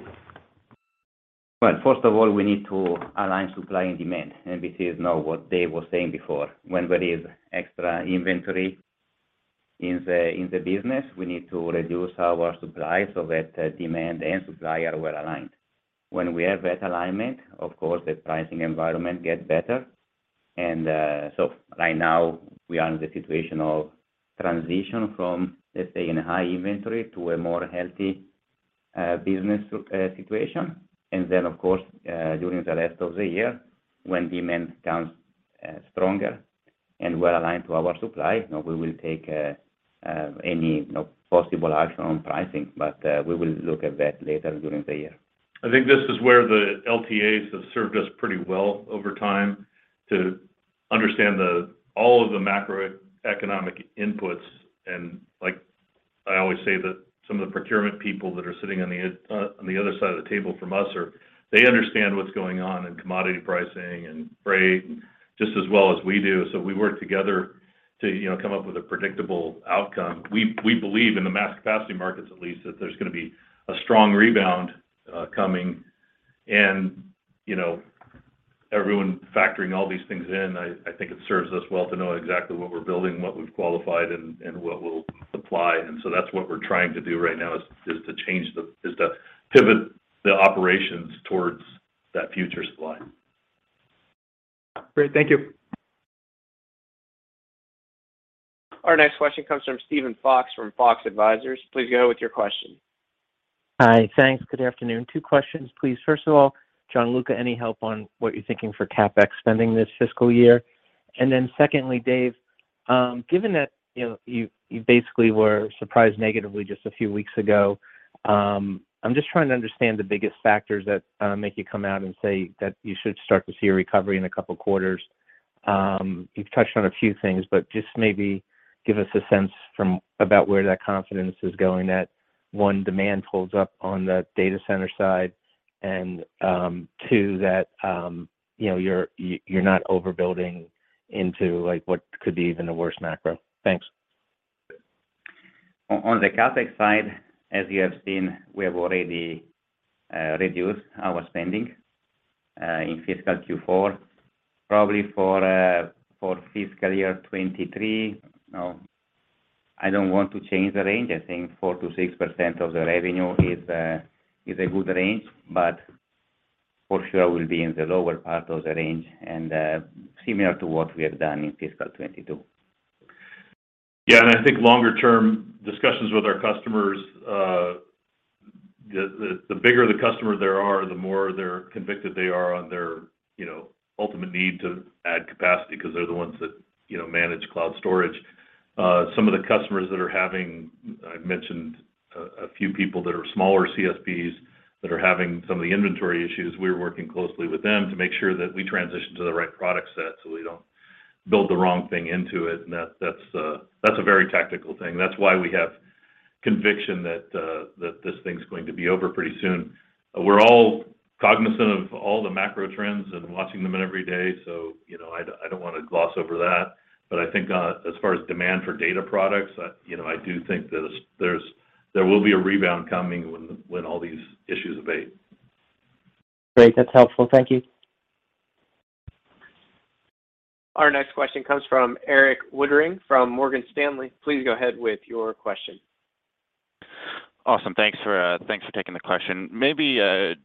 Well, first of all, we need to align supply and demand, and this is now what Dave was saying before. When there is extra inventory in the business, we need to reduce our supply so that demand and supply are well aligned. When we have that alignment, of course, the pricing environment gets better. Right now we are in the situation of transition from, let's say, high inventory to a more healthy business situation. Of course, during the rest of the year, when demand becomes stronger and well-aligned to our supply, now we will take any, you know, possible action on pricing. We will look at that later during the year. I think this is where the LTAs have served us pretty well over time to understand all of the macroeconomic inputs. Like I always say that some of the procurement people that are sitting on the other side of the table from us are. They understand what's going on in commodity pricing and freight just as well as we do, so we work together to, you know, come up with a predictable outcome. We believe in the mass capacity markets at least, that there's gonna be a strong rebound coming. You know, everyone factoring all these things in, I think it serves us well to know exactly what we're building, what we've qualified, and what we'll supply. That's what we're trying to do right now is to pivot the operations towards that future supply. Great. Thank you. Our next question comes from Steven Fox from Fox Advisors. Please go with your question. Hi. Thanks. Good afternoon. Two questions, please. First of all, Gianluca, any help on what you're thinking for CapEx spending this fiscal year? Secondly, Dave, given that, you know, you basically were surprised negatively just a few weeks ago, I'm just trying to understand the biggest factors that make you come out and say that you should start to see a recovery in a couple quarters. You've touched on a few things, but just maybe give us a sense from about where that confidence is going that, one, demand holds up on the data center side and, two, that you know, you're not overbuilding into like what could be even a worse macro. Thanks. On the CapEx side, as you have seen, we have already reduced our spending in fiscal Q4. Probably for fiscal year 2023, you know, I don't want to change the range. I think 4%-6% of the revenue is a good range, but for sure will be in the lower part of the range and similar to what we have done in fiscal 2022. Yeah, I think longer term discussions with our customers, the bigger the customer there are, the more they're convicted they are on their, you know, ultimate need to add capacity because they're the ones that, you know, manage cloud storage. Some of the customers, I've mentioned a few people that are smaller CSPs that are having some of the inventory issues, we're working closely with them to make sure that we transition to the right product set so we don't build the wrong thing into it. That's a very tactical thing. That's why we have conviction that this thing's going to be over pretty soon. We're all cognizant of all the macro trends and watching them every day, so, you know, I don't want to gloss over that. I think, as far as demand for data products, you know, I do think there will be a rebound coming when all these issues abate. Great. That's helpful. Thank you. Our next question comes from Erik Woodring from Morgan Stanley. Please go ahead with your question. Awesome. Thanks for taking the question. Maybe,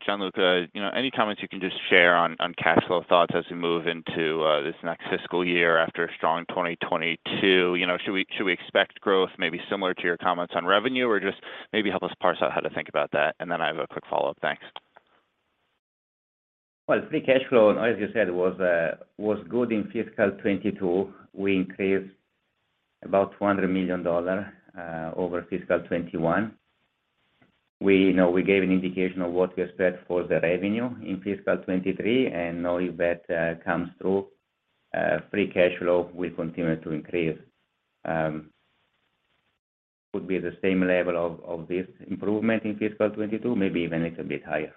Gianluca, you know, any comments you can just share on cash flow thoughts as we move into this next fiscal year after a strong 2022. You know, should we expect growth maybe similar to your comments on revenue? Or just maybe help us parse out how to think about that, and then I have a quick follow-up. Thanks. Well, free cash flow, as you said, was good in fiscal 2022. We increased about $200 million over fiscal 2021. You know, we gave an indication of what we expect for the revenue in fiscal 2023, and now if that comes through, free cash flow will continue to increase. Could be the same level of this improvement in fiscal 2022, maybe even a little bit higher.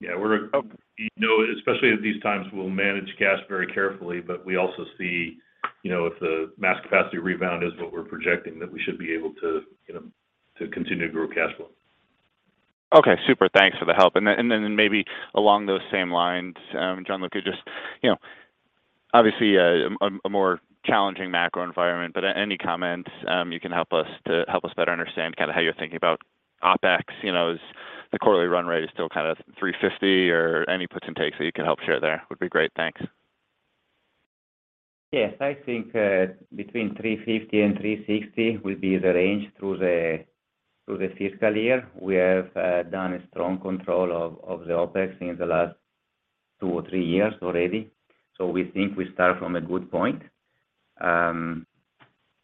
Yeah. We're you know especially at these times we'll manage cash very carefully but we also see you know if the mass capacity rebound is what we're projecting that we should be able to you know to continue to grow cash flow. Okay, super. Thanks for the help. Maybe along those same lines, Gianluca, just you know obviously a more challenging macro environment, but any comment you can help us better understand kind of how you're thinking about OpEx. You know, is the quarterly run rate still kind of $350 million or any puts and takes that you can help share there would be great. Thanks. Yes. I think between $350 and $360 will be the range through the fiscal year. We have done a strong control of the OpEx in the last two or three years already. We think we start from a good point.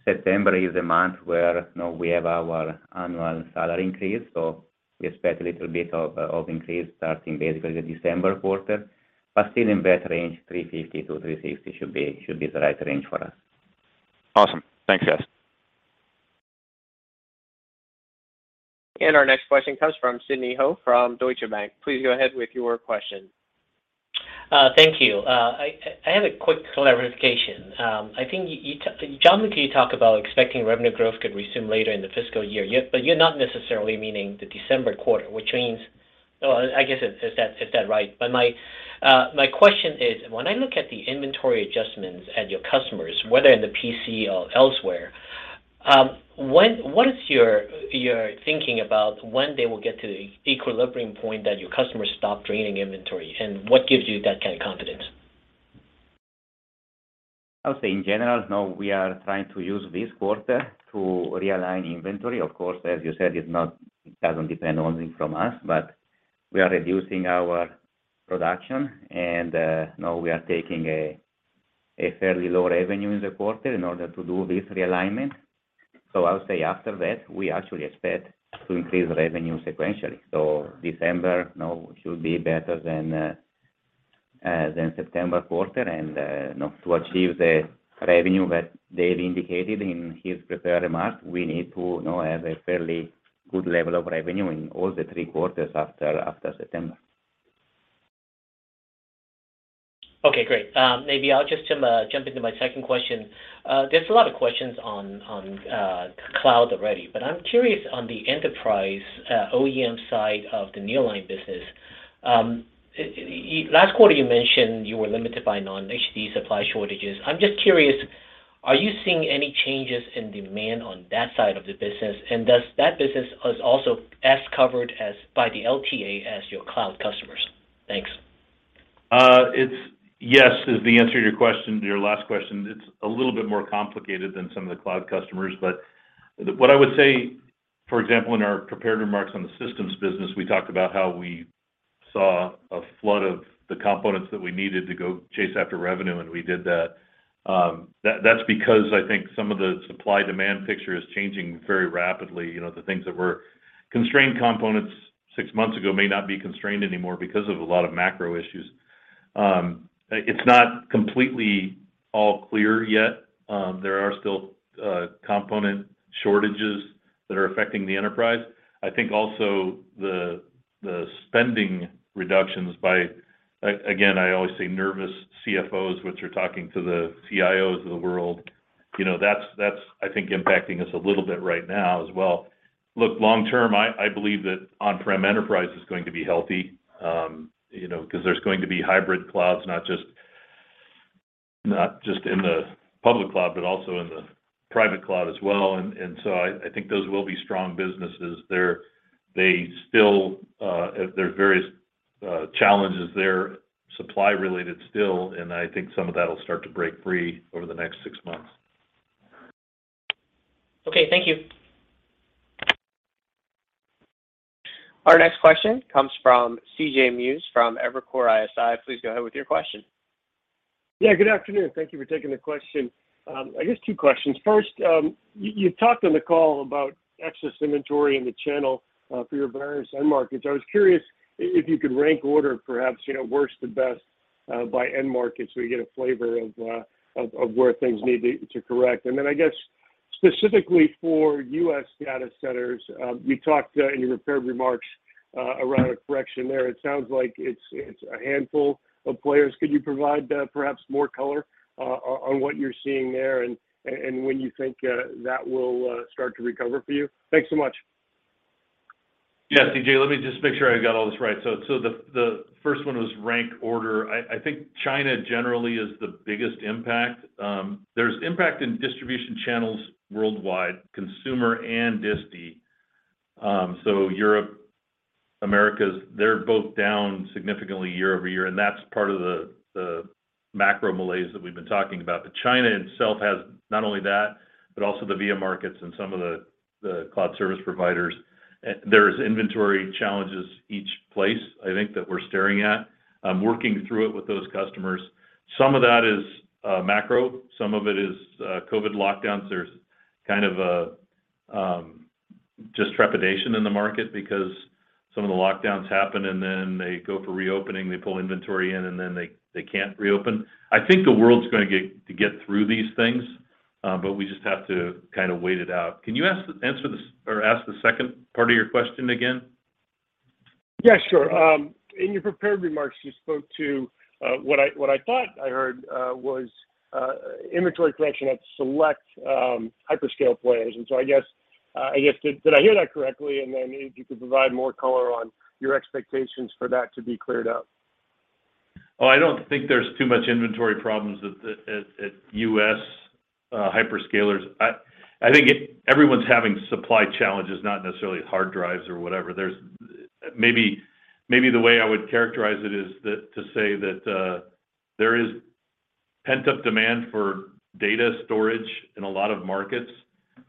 September is a month where, you know, we have our annual salary increase, so we expect a little bit of increase starting basically the December quarter. Still in that range, $350-$360 should be the right range for us. Awesome. Thanks, guys. Our next question comes from Sidney Ho from Deutsche Bank. Please go ahead with your question. Thank you. I have a quick clarification. I think you, Gianluca, talked about expecting revenue growth could resume later in the fiscal year. You're not necessarily meaning the December quarter, which means I guess it's that right. My question is, when I look at the inventory adjustments at your customers, whether in the PC or elsewhere, what is your thinking about when they will get to the equilibrium point that your customers stop draining inventory, and what gives you that kind of confidence? I'll say in general, now we are trying to use this quarter to realign inventory. Of course, as you said, it doesn't depend only from us, but we are reducing our production and now we are taking a fairly low revenue in the quarter in order to do this realignment. I'll say after that, we actually expect to increase revenue sequentially. December, you know, should be better than September quarter and you know, to achieve the revenue that Dave indicated in his prepared remarks, we need to you know, have a fairly good level of revenue in all the three quarters after September. Okay, great. Maybe I'll just jump into my second question. There's a lot of questions on cloud already, but I'm curious on the enterprise OEM side of the Nearline business. Last quarter you mentioned you were limited by non-HDD supply shortages. I'm just curious, are you seeing any changes in demand on that side of the business? And does that business is also as covered as by the LTA as your cloud customers? Thanks. Yes is the answer to your question, to your last question. It's a little bit more complicated than some of the cloud customers. What I would say, for example, in our prepared remarks on the systems business, we talked about how we saw a flood of the components that we needed to go chase after revenue, and we did that. That's because I think some of the supply-demand picture is changing very rapidly. You know, the things that were constrained components six months ago may not be constrained anymore because of a lot of macro issues. It's not completely all clear yet. There are still component shortages that are affecting the enterprise. I think also the spending reductions by, again, I always say nervous CFOs, which are talking to the CIOs of the world. You know, that's I think impacting us a little bit right now as well. Look, long term, I believe that on-prem enterprise is going to be healthy, you know, 'cause there's going to be hybrid clouds, not just in the public cloud, but also in the private cloud as well. I think those will be strong businesses. They still there are various challenges there, supply related still, and I think some of that will start to break free over the next six months. Okay. Thank you. Our next question comes from CJ Muse from Evercore ISI. Please go ahead with your question. Yeah, good afternoon. Thank you for taking the question. I guess two questions. First, you talked on the call about excess inventory in the channel for your various end markets. I was curious if you could rank order perhaps, you know, worst to best by end markets, so we get a flavor of where things need to correct. Then I guess specifically for U.S. data centers, you talked in your prepared remarks around a correction there. It sounds like it's a handful of players. Could you provide perhaps more color on what you're seeing there and when you think that will start to recover for you? Thanks so much. Yeah, C.J. Let me just make sure I got all this right. So the first one was rank order. I think China generally is the biggest impact. There's impact in distribution channels worldwide, consumer and distie. So Europe, Americas, they're both down significantly year over year, and that's part of the macro malaise that we've been talking about. China itself has not only that, but also the VM markets and some of the cloud service providers. There is inventory challenges each place, I think, that we're staring at. I'm working through it with those customers. Some of that is macro, some of it is COVID lockdowns. There's kind of a just trepidation in the market because some of the lockdowns happen, and then they go for reopening, they pull inventory in, and then they can't reopen. I think the world's gonna get through these things, but we just have to kind of wait it out. Can you answer this or ask the second part of your question again? Yeah, sure. In your prepared remarks, you spoke to what I thought I heard was. Inventory collection at select hyperscale players. I guess, did I hear that correctly? Then if you could provide more color on your expectations for that to be cleared up. I don't think there's too much inventory problems at the U.S. hyperscalers. I think everyone's having supply challenges, not necessarily hard drives or whatever. There's maybe the way I would characterize it is to say that there is pent-up demand for data storage in a lot of markets,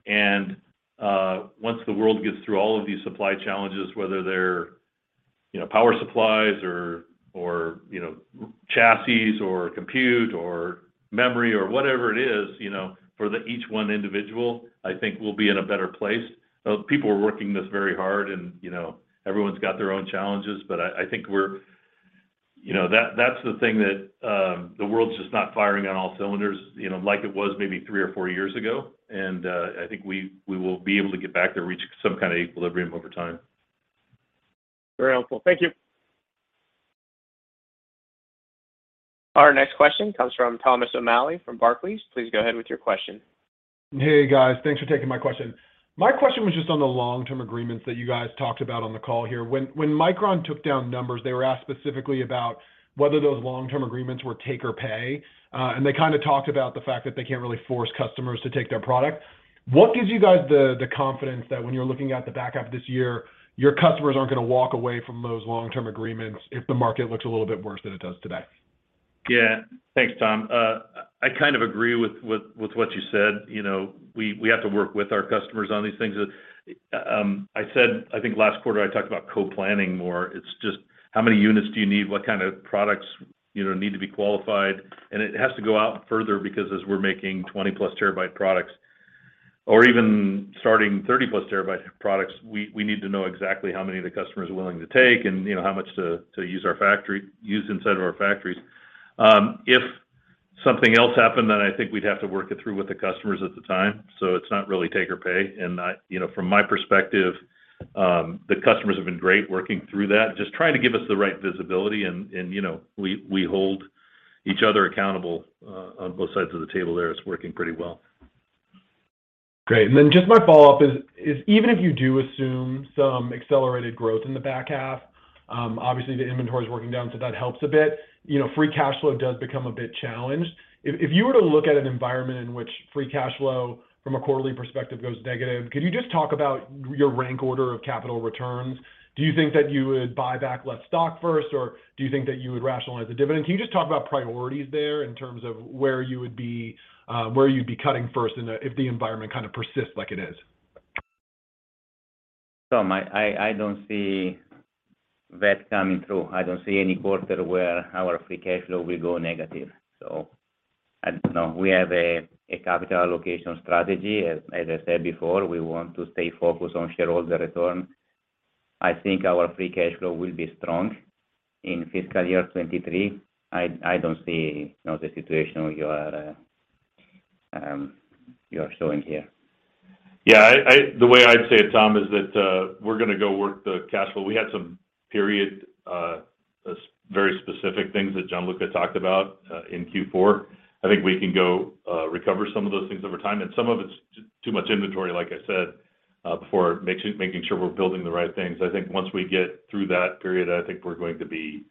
and once the world gets through all of these supply challenges, whether they're you know, power supplies or you know, chassis or compute or memory or whatever it is, you know, for each one individual, I think we'll be in a better place. People are working this very hard and you know, everyone's got their own challenges, but I think we're. You know, that's the thing that the world's just not firing on all cylinders, you know, like it was maybe three or four years ago. I think we will be able to get back there, reach some kind of equilibrium over time. Very helpful. Thank you. Our next question comes from Thomas O'Malley from Barclays. Please go ahead with your question. Hey, guys. Thanks for taking my question. My question was just on the long-term agreements that you guys talked about on the call here. When Micron took down numbers, they were asked specifically about whether those long-term agreements were take or pay, and they kind of talked about the fact that they can't really force customers to take their product. What gives you guys the confidence that when you're looking at the back half this year, your customers aren't gonna walk away from those long-term agreements if the market looks a little bit worse than it does today? Thanks, Tom. I kind of agree with what you said. You know, we have to work with our customers on these things. I said, I think last quarter I talked about co-planning more. It's just how many units do you need? What kind of products, you know, need to be qualified? It has to go out further because as we're making 20 TB products or even starting 30+ TB products, we need to know exactly how many the customer is willing to take and, you know, how much to use our factory, use inside of our factories. If something else happened, then I think we'd have to work it through with the customers at the time, so it's not really take or pay. You know, from my perspective, the customers have been great working through that, just trying to give us the right visibility and, you know, we hold each other accountable on both sides of the table there. It's working pretty well. Great. Just my follow-up is even if you do assume some accelerated growth in the back half, obviously the inventory is working down, so that helps a bit. You know, free cash flow does become a bit challenged. If you were to look at an environment in which free cash flow from a quarterly perspective goes negative, could you just talk about your rank order of capital returns? Do you think that you would buy back less stock first, or do you think that you would rationalize the dividend? Can you just talk about priorities there in terms of where you would be, where you'd be cutting first if the environment kind of persists like it is? Tom, I don't see that coming through. I don't see any quarter where our free cash flow will go negative. I don't know. We have a capital allocation strategy. As I said before, we want to stay focused on shareholder return. I think our free cash flow will be strong in fiscal year 2023. I don't see, you know, the situation you are showing here. The way I'd say it, Tom, is that we're gonna go work the cash flow. We had some period, very specific things that Gianluca talked about in Q4. I think we can go recover some of those things over time, and some of it's too much inventory, like I said before, making sure we're building the right things. I think once we get through that period, I think we're going to be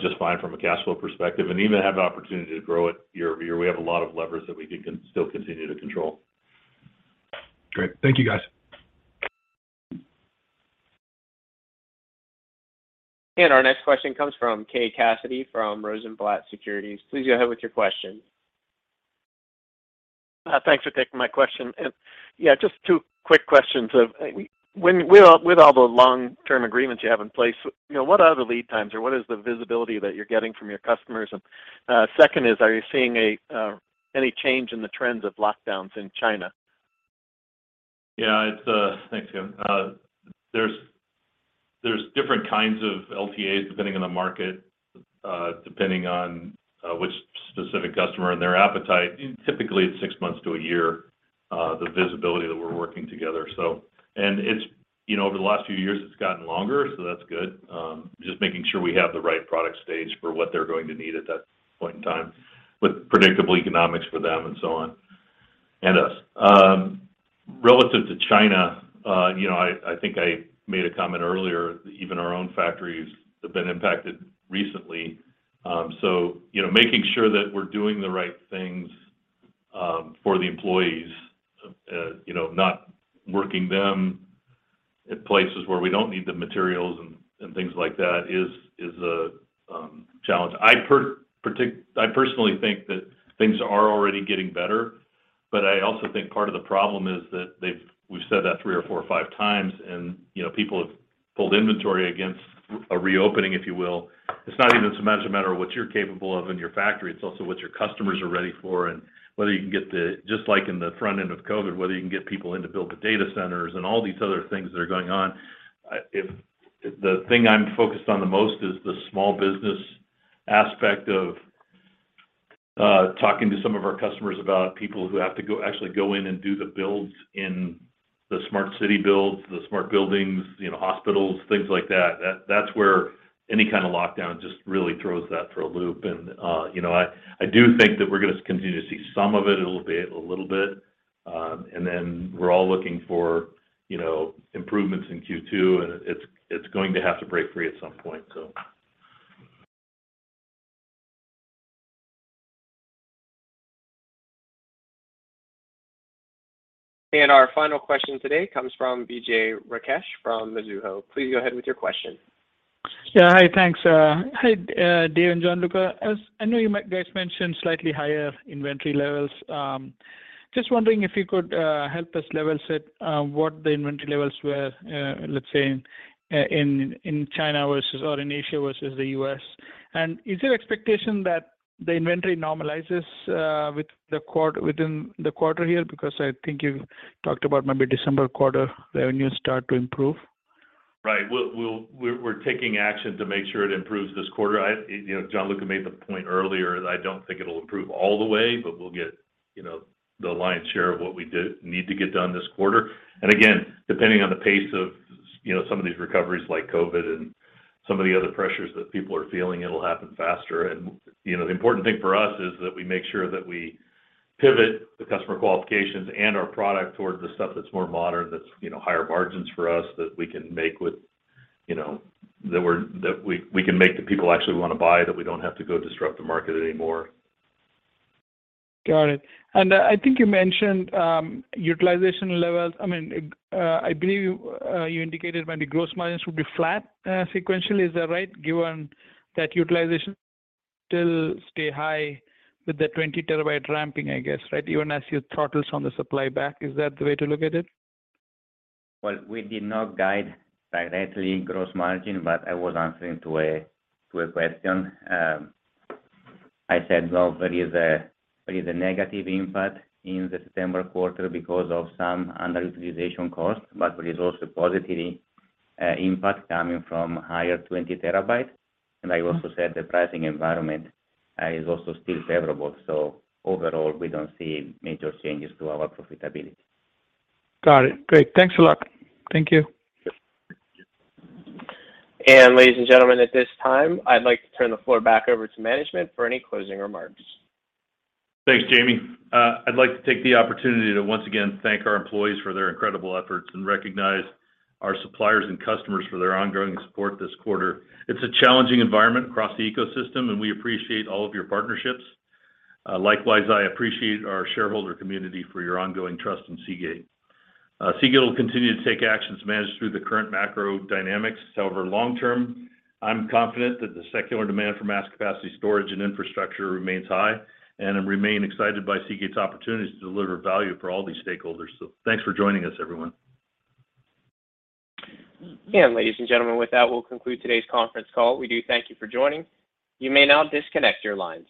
just fine from a cash flow perspective and even have an opportunity to grow it year-over-year. We have a lot of levers that we can still continue to control. Great. Thank you, guys. Our next question comes from Kevin Cassidy from Rosenblatt Securities. Please go ahead with your question. Thanks for taking my question. Yeah, just two quick questions. I mean, when with all the long-term agreements you have in place, you know, what are the lead times, or what is the visibility that you're getting from your customers? Second is, are you seeing any change in the trends of lockdowns in China? Yeah, it's. Thanks, Tim. There's different kinds of LTAs depending on the market, depending on which specific customer and their appetite. Typically, it's 6 months to a year, the visibility that we're working together. And it's, you know, over the last few years, it's gotten longer, so that's good. Just making sure we have the right product stage for what they're going to need at that point in time with predictable economics for them and so on, and us. Relative to China, you know, I think I made a comment earlier, even our own factories have been impacted recently. You know, making sure that we're doing the right things for the employees, you know, not working them at places where we don't need the materials and things like that is a challenge. I personally think that things are already getting better, but I also think part of the problem is that we've said that three or four or five times and, you know, people have pulled inventory against a reopening, if you will. It's not even so much a matter of what you're capable of in your factory, it's also what your customers are ready for and, just like in the front end of COVID, whether you can get people in to build the data centers and all these other things that are going on. If the thing I'm focused on the most is the small business aspect of talking to some of our customers about people who have to go, actually go in and do the builds in the smart city builds, the smart buildings, you know, hospitals, things like that's where any kind of lockdown just really throws that for a loop. You know, I do think that we're gonna continue to see some of it a little bit. We're all looking for, you know, improvements in Q2, and it's going to have to break free at some point. Our final question today comes from Vijay Rakesh from Mizuho. Please go ahead with your question. Yeah. Hi. Thanks. Hi, Dave and Gianluca. As I know you guys mentioned slightly higher inventory levels. Just wondering if you could help us level set what the inventory levels were, let's say in China versus or in Asia versus the U.S. Is there expectation that the inventory normalizes within the quarter here? Because I think you talked about maybe December quarter revenues start to improve. Right. We're taking action to make sure it improves this quarter. You know, Gianluca made the point earlier that I don't think it'll improve all the way, but we'll get, you know, the lion's share of what we need to get done this quarter. Again, depending on the pace of, you know, some of these recoveries like COVID and some of the other pressures that people are feeling, it'll happen faster. You know, the important thing for us is that we make sure that we pivot the customer qualifications and our product towards the stuff that's more modern, that's, you know, higher margins for us that we can make with, you know, that we can make the people actually wanna buy, that we don't have to go disrupt the market anymore. Got it. I think you mentioned utilization levels. I mean, I believe you indicated maybe gross margins will be flat sequentially. Is that right? Given that utilization still stay high with the 20 TB ramping, I guess, right? Even as you throttle back on the supply, is that the way to look at it? Well, we did not guide directly in gross margin, but I was answering to a question. I said, well, there is a negative impact in the September quarter because of some underutilization costs, but there is also positive impact coming from higher 20 TB. I also said the pricing environment is also still favorable. Overall, we don't see major changes to our profitability. Got it. Great. Thanks a lot. Thank you. Ladies and gentlemen, at this time, I'd like to turn the floor back over to management for any closing remarks. Thanks, Jamie. I'd like to take the opportunity to once again thank our employees for their incredible efforts and recognize our suppliers and customers for their ongoing support this quarter. It's a challenging environment across the ecosystem, and we appreciate all of your partnerships. Likewise, I appreciate our shareholder community for your ongoing trust in Seagate. Seagate will continue to take actions to manage through the current macro dynamics. However, long-term, I'm confident that the secular demand for mass capacity storage and infrastructure remains high, and I remain excited by Seagate's opportunities to deliver value for all these stakeholders. Thanks for joining us, everyone. Ladies and gentlemen, with that, we'll conclude today's conference call. We do thank you for joining. You may now disconnect your lines.